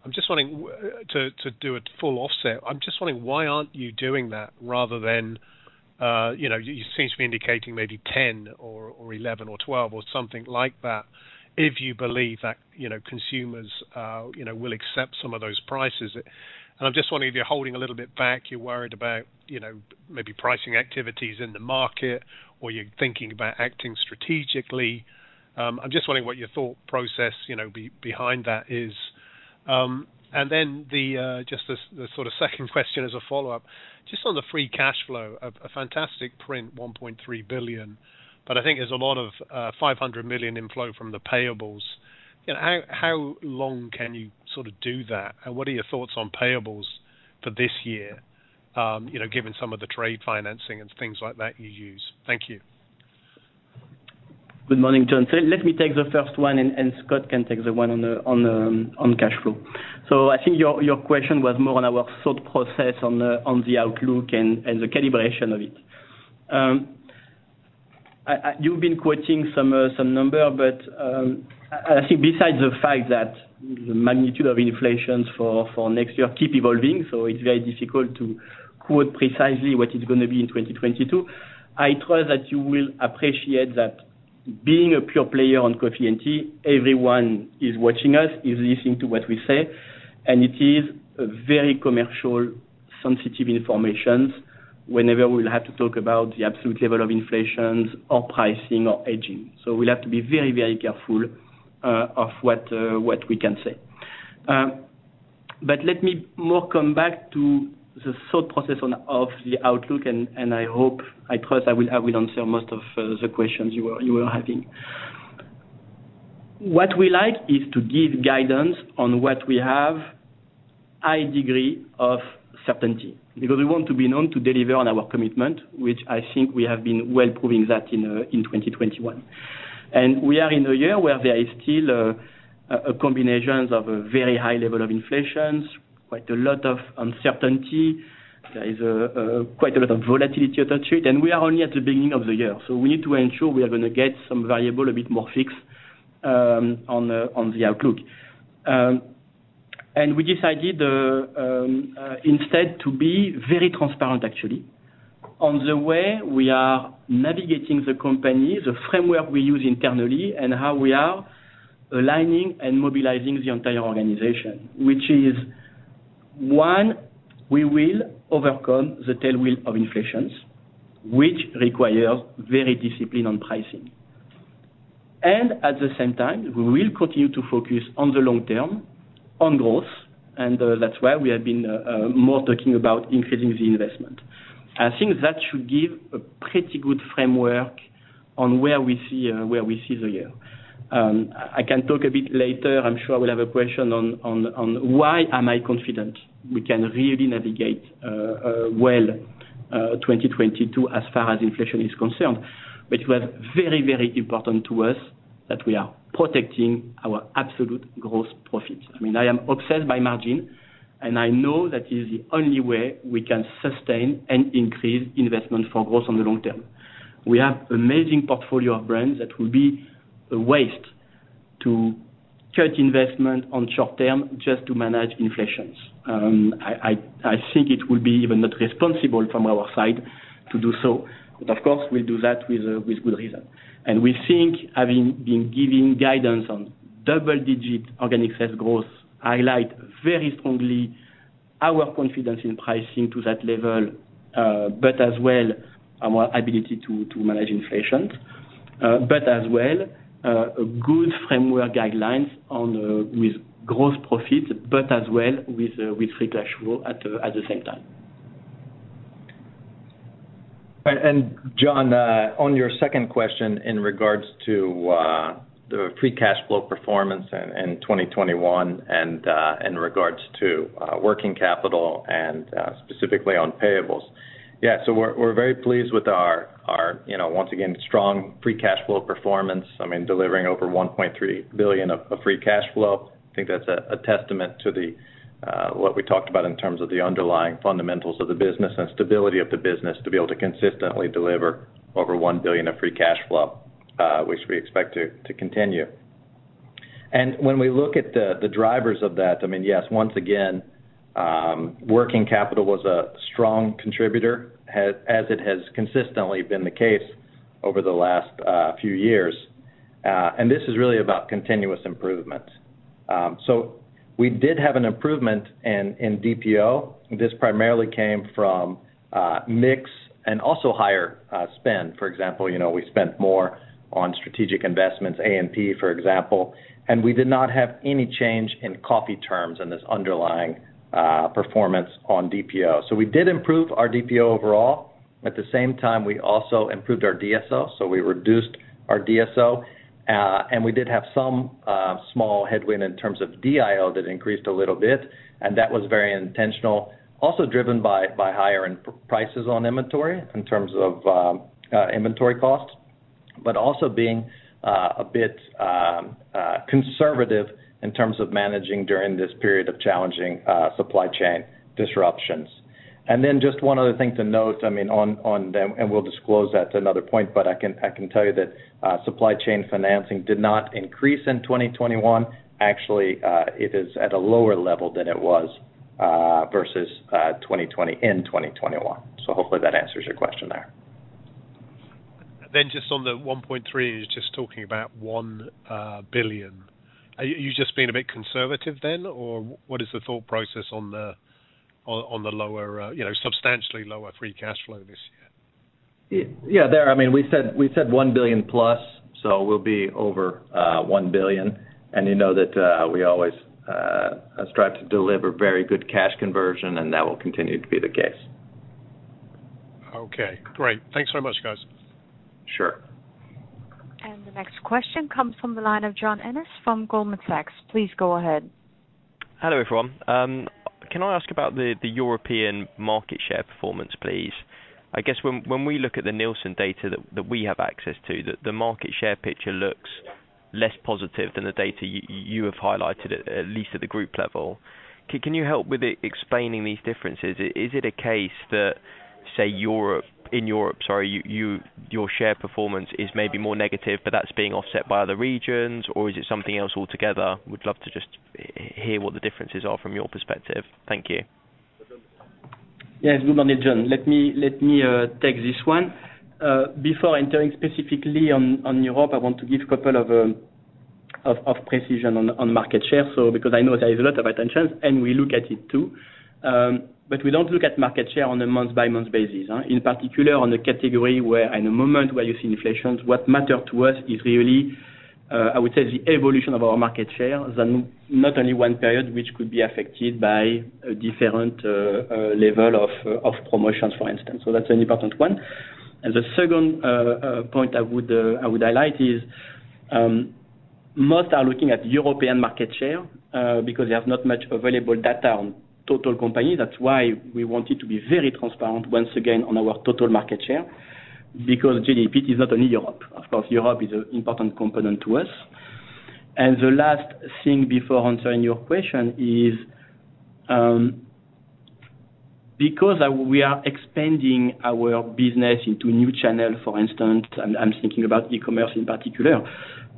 I'm just wondering to do a full offset, I'm just wondering why aren't you doing that rather than you know, you seem to be indicating maybe 10 or 11 or 12 or something like that, if you believe that you know, consumers you know, will accept some of those prices. I'm just wondering if you're holding a little bit back, you're worried about you know, maybe pricing activities in the market, or you're thinking about acting strategically. I'm just wondering what your thought process, you know, behind that is. Then the sort of second question as a follow-up, just on the free cash flow, a fantastic print, 1.3 billion. I think there's a lot of 500 million in flow from the payables. You know, how long can you sort of do that? What are your thoughts on payables for this year, you know, given some of the trade financing and things like that you use? Thank you. Good morning, John. Let me take the first one and Scott can take the one on cash flow. I think your question was more on our thought process on the outlook and the calibration of it. You've been quoting some number, but I think besides the fact that the magnitude of inflation for next year keep evolving, so it's very difficult to quote precisely what it's gonna be in 2022. I trust that you will appreciate that being a pure player on coffee and tea, everyone is watching us, is listening to what we say, and it is a very commercially sensitive information whenever we'll have to talk about the absolute level of inflation or pricing or hedging. We'll have to be very, very careful of what we can say. But let me come back more to the thought process of the outlook, and I hope, I trust I will answer most of the questions you were having. What we like is to give guidance on what we have a high degree of certainty, because we want to be known to deliver on our commitment, which I think we have been well proving that in 2021. We are in a year where there is still a combination of a very high level of inflation, quite a lot of uncertainty. There is quite a lot of volatility attached to it, and we are only at the beginning of the year. We need to ensure we are gonna get some variability a bit more fixed on the outlook. We decided instead to be very transparent actually on the way we are navigating the company, the framework we use internally, and how we are aligning and mobilizing the entire organization, which is one, we will overcome the headwinds of inflation, which requires very disciplined pricing. At the same time, we will continue to focus in the long term on growth, and that's why we have been talking more about increasing the investment. I think that should give a pretty good framework on where we see the year. I can talk a bit later. I'm sure we'll have a question on why I am confident we can really navigate 2022 as far as inflation is concerned. It was very important to us that we are protecting our absolute growth profits. I mean, I am obsessed by margin, and I know that is the only way we can sustain and increase investment for growth on the long term. We have amazing portfolio of brands that will be a waste to cut investment on short term just to manage inflation. I think it will be even not responsible from our side to do so. Of course, we'll do that with good reason. We think, having been giving guidance on double-digit organic sales growth, highlight very strongly our confidence in pricing to that level, but as well, our ability to manage inflation. But as well, a good framework guidelines with growth profits, but as well with free cash flow at the same time. John, on your second question in regards to the free cash flow performance in 2021 and in regards to working capital and specifically on payables. Yeah, so we're very pleased with our you know, once again, strong free cash flow performance. I mean, delivering over 1.3 billion of free cash flow. I think that's a testament to the what we talked about in terms of the underlying fundamentals of the business and stability of the business to be able to consistently deliver over 1 billion of free cash flow, which we expect to continue. When we look at the drivers of that, I mean, yes, once again, working capital was a strong contributor as it has consistently been the case over the last few years. This is really about continuous improvement. We did have an improvement in DPO. This primarily came from mix and also higher spend. For example, you know, we spent more on strategic investments, A&P, for example, and we did not have any change in coffee terms in this underlying performance on DPO. We did improve our DPO overall. At the same time, we also improved our DSO. We reduced our DSO. We did have some small headwind in terms of DIO that increased a little bit, and that was very intentional. Also driven by higher prices on inventory in terms of inventory costs, but also being a bit conservative in terms of managing during this period of challenging supply chain disruptions. Just one other thing to note, I mean, on them, and we'll disclose that at another point, but I can tell you that supply chain financing did not increase in 2021. Actually, it is at a lower level than it was versus 2020 in 2021. Hopefully that answers your question there. Just on the 1.3, you're just talking about 1 billion. Are you just being a bit conservative then, or what is the thought process on the lower, you know, substantially lower free cash flow this year? Yeah. I mean, we said 1 billion plus, so we'll be over 1 billion. You know that we always strive to deliver very good cash conversion, and that will continue to be the case. Okay, great. Thanks so much, guys. Sure. The next question comes from the line of John Ennis from Goldman Sachs. Please go ahead. Hello, everyone. Can I ask about the European market share performance, please? I guess when we look at the Nielsen data that we have access to, the market share picture looks less positive than the data you have highlighted, at least at the group level. Can you help with explaining these differences? Is it a case that, say, in Europe, sorry, your share performance is maybe more negative, but that's being offset by other regions? Or is it something else altogether? Would love to just hear what the differences are from your perspective. Thank you. Yes. Good morning, John. Let me take this one. Before entering specifically on Europe, I want to give a couple of precisions on market share. Because I know there is a lot of attention, and we look at it too. We don't look at market share on a month-by-month basis, in particular in the category at the moment when you see inflation. What matters to us is really, I would say, the evolution of our market share rather than not only one period, which could be affected by a different level of promotions, for instance. That's an important one. The second point I would highlight is most are looking at European market share because they have not much available data on total company. That's why we wanted to be very transparent once again on our total market share because JDE Peet's is not only Europe. Of course, Europe is an important component to us. The last thing before answering your question is, because we are expanding our business into new channel, for instance, I'm thinking about e-commerce in particular.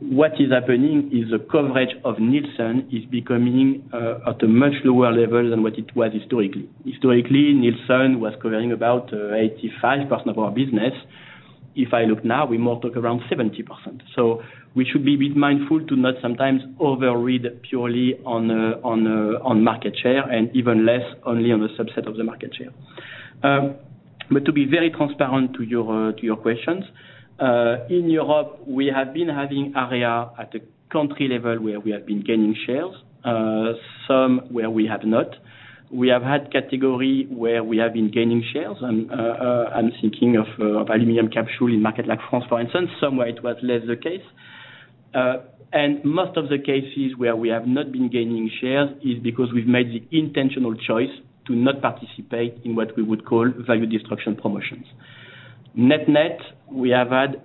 What is happening is the coverage of Nielsen is becoming at a much lower level than what it was historically. Historically, Nielsen was covering about 85% of our business. If I look now, we're now talking around 70%. We should be a bit mindful to not sometimes overread purely on market share and even less only on the subset of the market share. To be very transparent to your questions, in Europe, we have been having areas at a country level where we have been gaining shares, somewhere we have not. We have had categories where we have been gaining shares, and I'm thinking of aluminum capsules in markets like France, for instance, somewhere it was less the case. Most of the cases where we have not been gaining shares is because we've made the intentional choice to not participate in what we would call value destruction promotions. Net, net, we have had,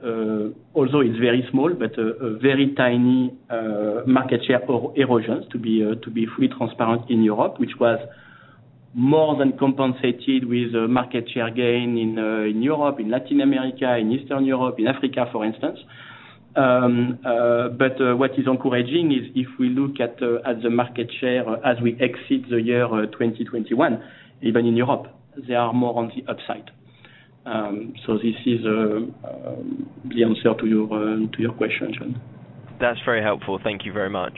although it's very small, but a very tiny market share of erosions to be fully transparent in Europe, which was more than compensated with market share gain in Europe, in Latin America, in Eastern Europe, in Africa, for instance. What is encouraging is if we look at the market share as we exit the year 2021, even in Europe, they are more on the upside. This is the answer to your question, John. That's very helpful. Thank you very much.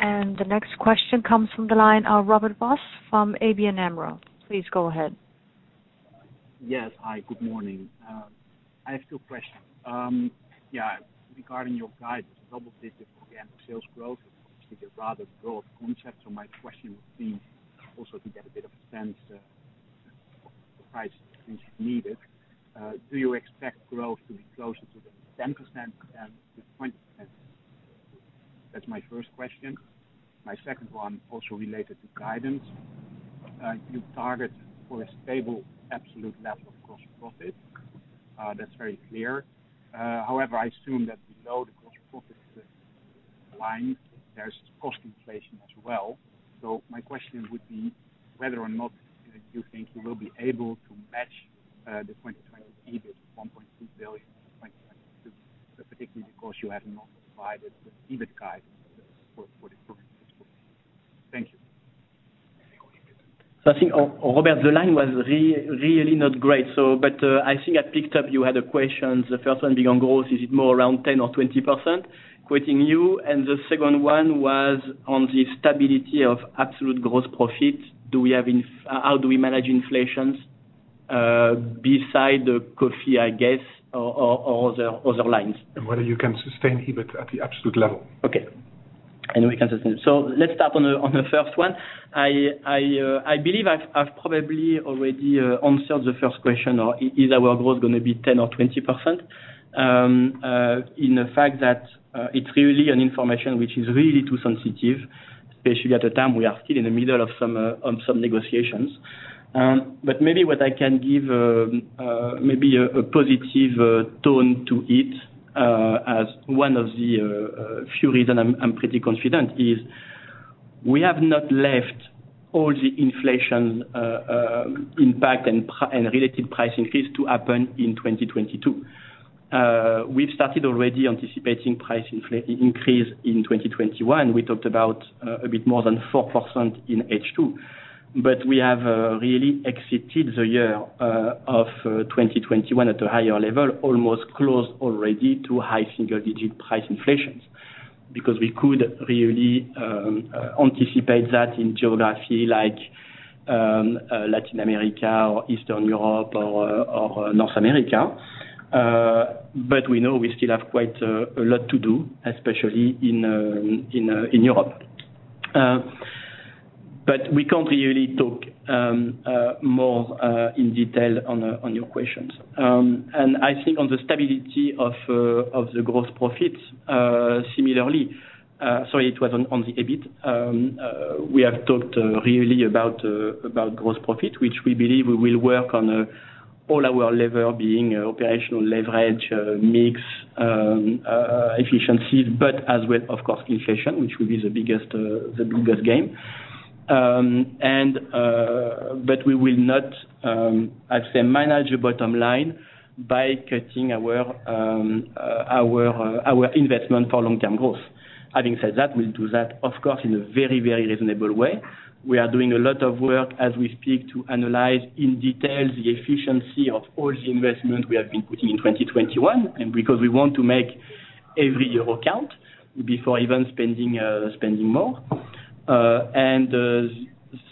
The next question comes from the line of Robert Vos from ABN AMRO. Please go ahead. Yes. Hi, good morning. I have two questions. Yeah, regarding your guidance, double-digit organic sales growth is obviously a rather broad concept. My question would be also to get a bit of a sense, the pricing needed, do you expect growth to be closer to the 10% than the 20%? That's my first question. My second one, also related to guidance. You target for a stable absolute level of gross profit, that's very clear. However, I assume that below the gross profit line, there's cost inflation as well. My question would be whether or not you think you will be able to match the 2020 EBIT, 1.2 billion in 2022, particularly because you have not provided the EBIT guide for the current fiscal year. Thank you. I think, Robert, the line was really not great. I think I picked up you had a question, the first one being on growth. Is it more around 10% or 20%? Quoting you. The second one was on the stability of absolute gross profit. How do we manage inflation, besides the coffee, I guess, or other lines? Whether you can sustain EBIT at the absolute level? Okay. We can sustain it. Let's start on the first one. I believe I've probably already answered the first question or is our growth gonna be 10% or 20%, in the fact that it's really an information which is really too sensitive, especially at the time we are still in the middle of some negotiations. Maybe what I can give, maybe a positive tone to it, as one of the few reason I'm pretty confident is we have not left all the inflation impact and related price increase to happen in 2022. We've started already anticipating price increase in 2021. We talked about a bit more than 4% in H2. We have really exited the year of 2021 at a higher level, almost close already to high single digit price inflations, because we could really anticipate that in geography like Latin America or Eastern Europe or North America. We know we still have quite a lot to do, especially in Europe. We can't really talk more in detail on your questions. I think on the stability of the gross profits, similarly, sorry, it was on the EBIT. We have talked really about gross profit, which we believe we will work on at all levels: operational leverage, mix, efficiencies, but also with, of course, inflation, which will be the biggest gain. But we will not, I'd say, manage the bottom line by cutting our investment for long-term growth. Having said that, we'll do that, of course, in a very, very reasonable way. We are doing a lot of work as we speak to analyze in detail the efficiency of all the investment we have been putting in 2021, and because we want to make every euro count before even spending more.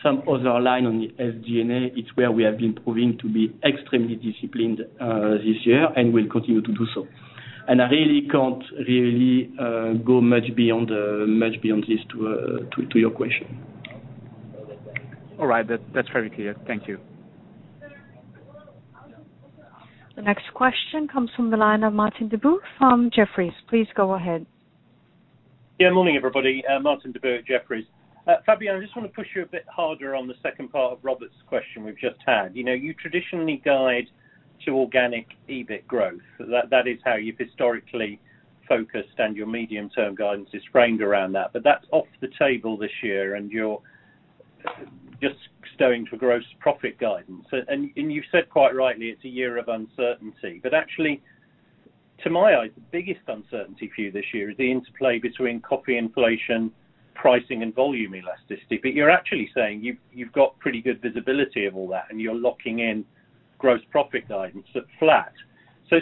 Some other line on the SG&A, it's where we have been proving to be extremely disciplined this year, and we'll continue to do so. I really can't go much beyond this to your question. All right. That, that's very clear. Thank you. The next question comes from the line of Martin Deboo from Jefferies. Please go ahead. Morning, everybody. Martin Deboo, Jefferies. Fabien, I just want to push you a bit harder on the second part of Robert's question we've just had. You know, you traditionally guide to organic EBIT growth. That is how you've historically focused and your medium-term guidance is framed around that. That's off the table this year and you're just going for gross profit guidance. You've said quite rightly, it's a year of uncertainty. Actually, to my eyes, the biggest uncertainty for you this year is the interplay between coffee inflation, pricing and volume elasticity. You're actually saying you've got pretty good visibility of all that, and you're locking in gross profit guidance at flat.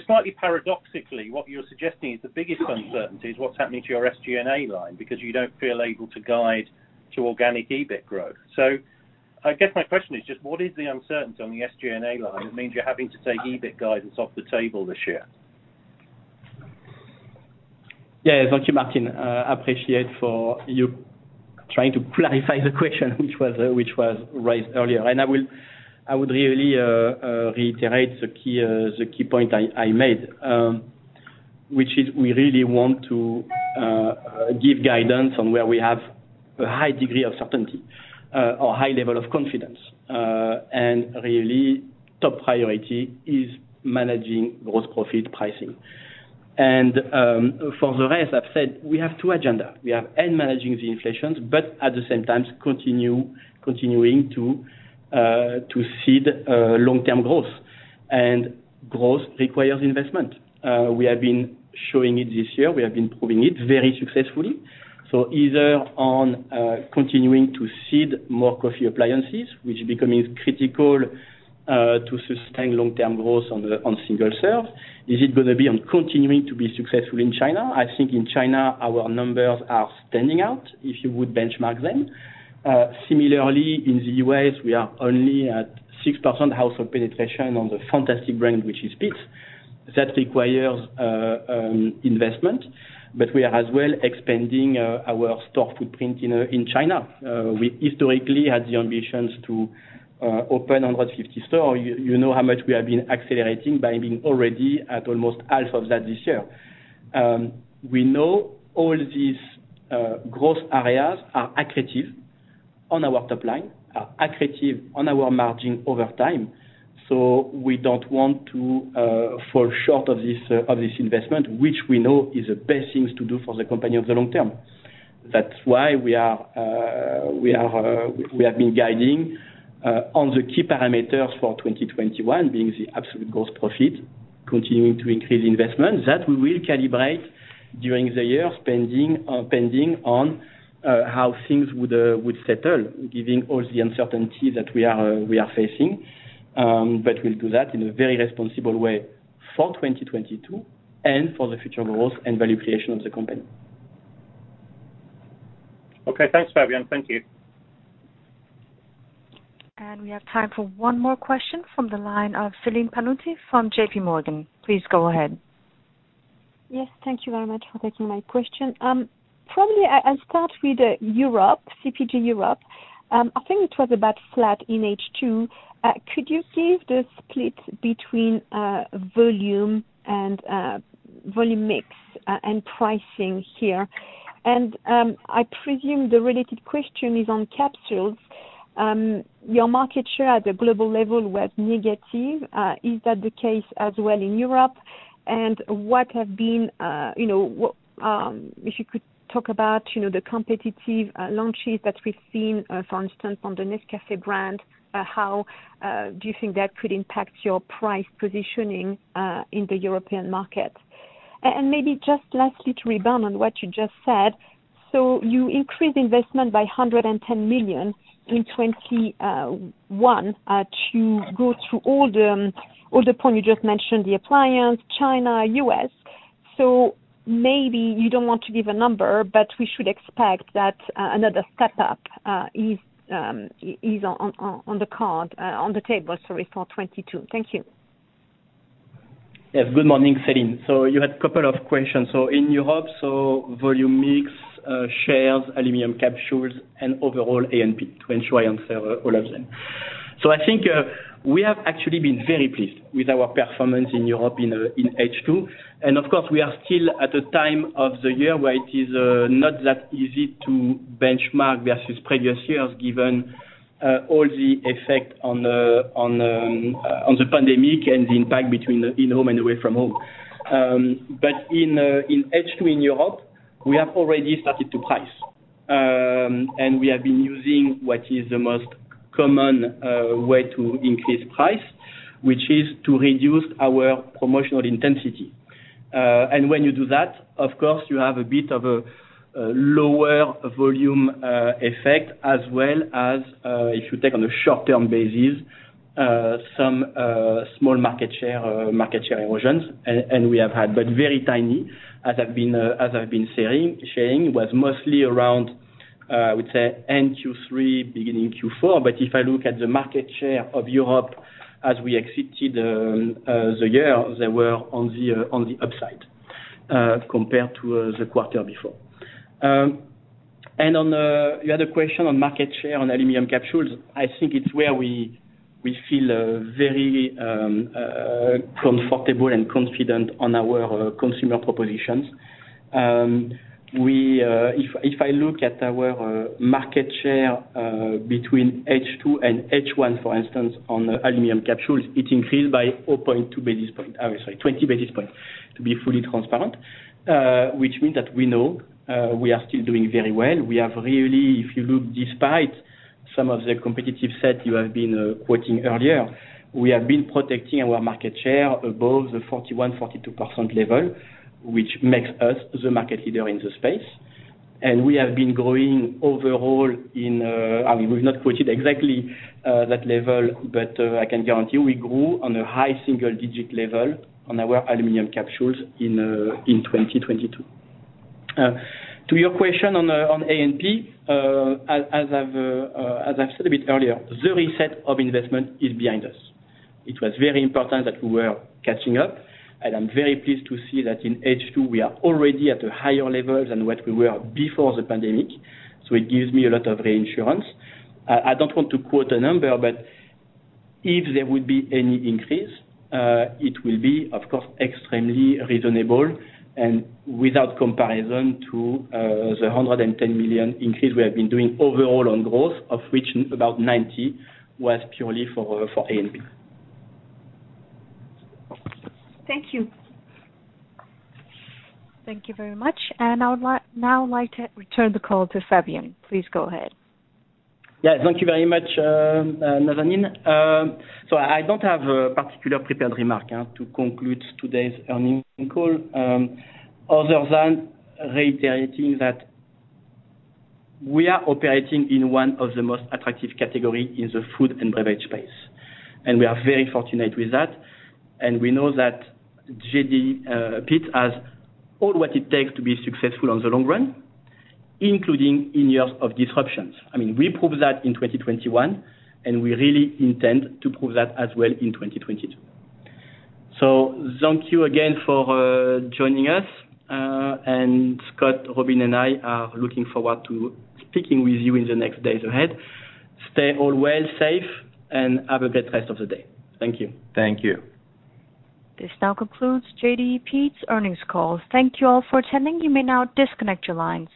Slightly paradoxically, what you're suggesting is the biggest uncertainty is what's happening to your SG&A line because you don't feel able to guide to organic EBIT growth. I guess my question is just what is the uncertainty on the SG&A line that means you're having to take EBIT guidance off the table this year? Yeah. Thank you, Martin. I appreciate you trying to clarify the question which was raised earlier. I would really reiterate the key point I made, which is we really want to give guidance on where we have a high degree of certainty or high level of confidence. Really, top priority is managing gross profit pricing. For the rest, I've said we have two agendas, managing inflation, but at the same time, continue to seed long-term growth. Growth requires investment. We have been showing it this year, we have been proving it very successfully. So either on continuing to seed more coffee appliances, which is becoming critical to sustain long-term growth on single serve. Is it gonna be on continuing to be successful in China? I think in China, our numbers are standing out, if you would benchmark them. Similarly, in the U.S., we are only at 6% household penetration on the fantastic brand, which is Peet's. That requires investment. We are as well expanding our store footprint in China. We historically had the ambition to open 150 stores. You know how much we have been accelerating by being already at almost half of that this year. We know all these growth areas are accretive on our top line, are accretive on our margin over time, so we don't want to fall short of this investment, which we know is the best thing to do for the company in the long term. That's why we have been guiding on the key parameters for 2021 being the absolute gross profit, continuing to increase investment, that we will calibrate during the year pending on how things would settle, given all the uncertainty that we are facing. We'll do that in a very responsible way for 2022 and for the future growth and value creation of the company. Okay, thanks, Fabien. Thank you. We have time for one more question from the line of Celine Pannuti from JPMorgan. Please go ahead. Yes, thank you very much for taking my question. Probably I'll start with Europe, CPG Europe. I think it was about flat in H2. Could you give the split between volume and volume mix and pricing here? I presume the related question is on capsules. Your market share at the global level went negative. Is that the case as well in Europe? What have been, you know, if you could talk about, you know, the competitive launches that we've seen, for instance, on the Nescafé brand, how do you think that could impact your price positioning in the European market? Maybe just lastly, to respond to what you just said, you increased investment by EUR 110 million in 2021 to go through all the points you just mentioned, the appliance, China, U.S. Maybe you don't want to give a number, but we should expect that another step up is on the table, sorry, for 2022. Thank you. Yes. Good morning, Celine. You had a couple of questions. In Europe, volume mix, shares, aluminum capsules, and overall A&P to ensure I answer all of them. I think we have actually been very pleased with our performance in Europe in H2. Of course, we are still at a time of the year where it is not that easy to benchmark versus previous years, given all the effect on the pandemic and the impact between in-home and away-from-home. In H2 in Europe, we have already started to price. We have been using what is the most common way to increase price, which is to reduce our promotional intensity. When you do that, of course, you have a bit of a lower volume effect, as well as, if you take on a short-term basis, some small market share erosions, and we have had, but very tiny, as I've been saying. It was mostly around, I would say end Q3, beginning Q4. If I look at the market share of Europe as we exited the year, they were on the upside compared to the quarter before. On the other question on market share on aluminum capsules, I think it's where we feel very comfortable and confident on our consumer propositions. If I look at our market share between H2 and H1, for instance, on the aluminum capsules, it increased by 4.2 basis points. I'm sorry, 20 basis points to be fully transparent. Which means that we know we are still doing very well. We have really, if you look despite some of the competitive set you have been quoting earlier, we have been protecting our market share above the 41%-42% level, which makes us the market leader in the space. We have been growing overall in... I mean, we've not quoted exactly that level, but I can guarantee you we grew on a high single digit level on our aluminum capsules in 2022. To your question on A&P, as I've said a bit earlier, the reset of investment is behind us. It was very important that we were catching up, and I'm very pleased to see that in H2 we are already at a higher level than what we were before the pandemic, so it gives me a lot of reassurance. I don't want to quote a number, but if there would be any increase, it will be, of course, extremely reasonable and without comparison to the 110 million increase we have been doing overall on growth, of which about 90 million was purely for A&P. Thank you. Thank you very much. Now I'd like to return the call to Fabien. Please go ahead. Yeah. Thank you very much, Nazanin. So I don't have a particular prepared remark to conclude today's earnings call, other than reiterating that we are operating in one of the most attractive category in the food and beverage space, and we are very fortunate with that. We know that JDE Peet's has all what it takes to be successful on the long run, including in years of disruptions. I mean, we proved that in 2021, and we really intend to prove that as well in 2022. Thank you again for joining us. Scott, Robin, and I are looking forward to speaking with you in the next days ahead. Stay all well, safe, and have a good rest of the day. Thank you. Thank you. This now concludes JDE Peet's earnings call. Thank you all for attending. You may now disconnect your lines.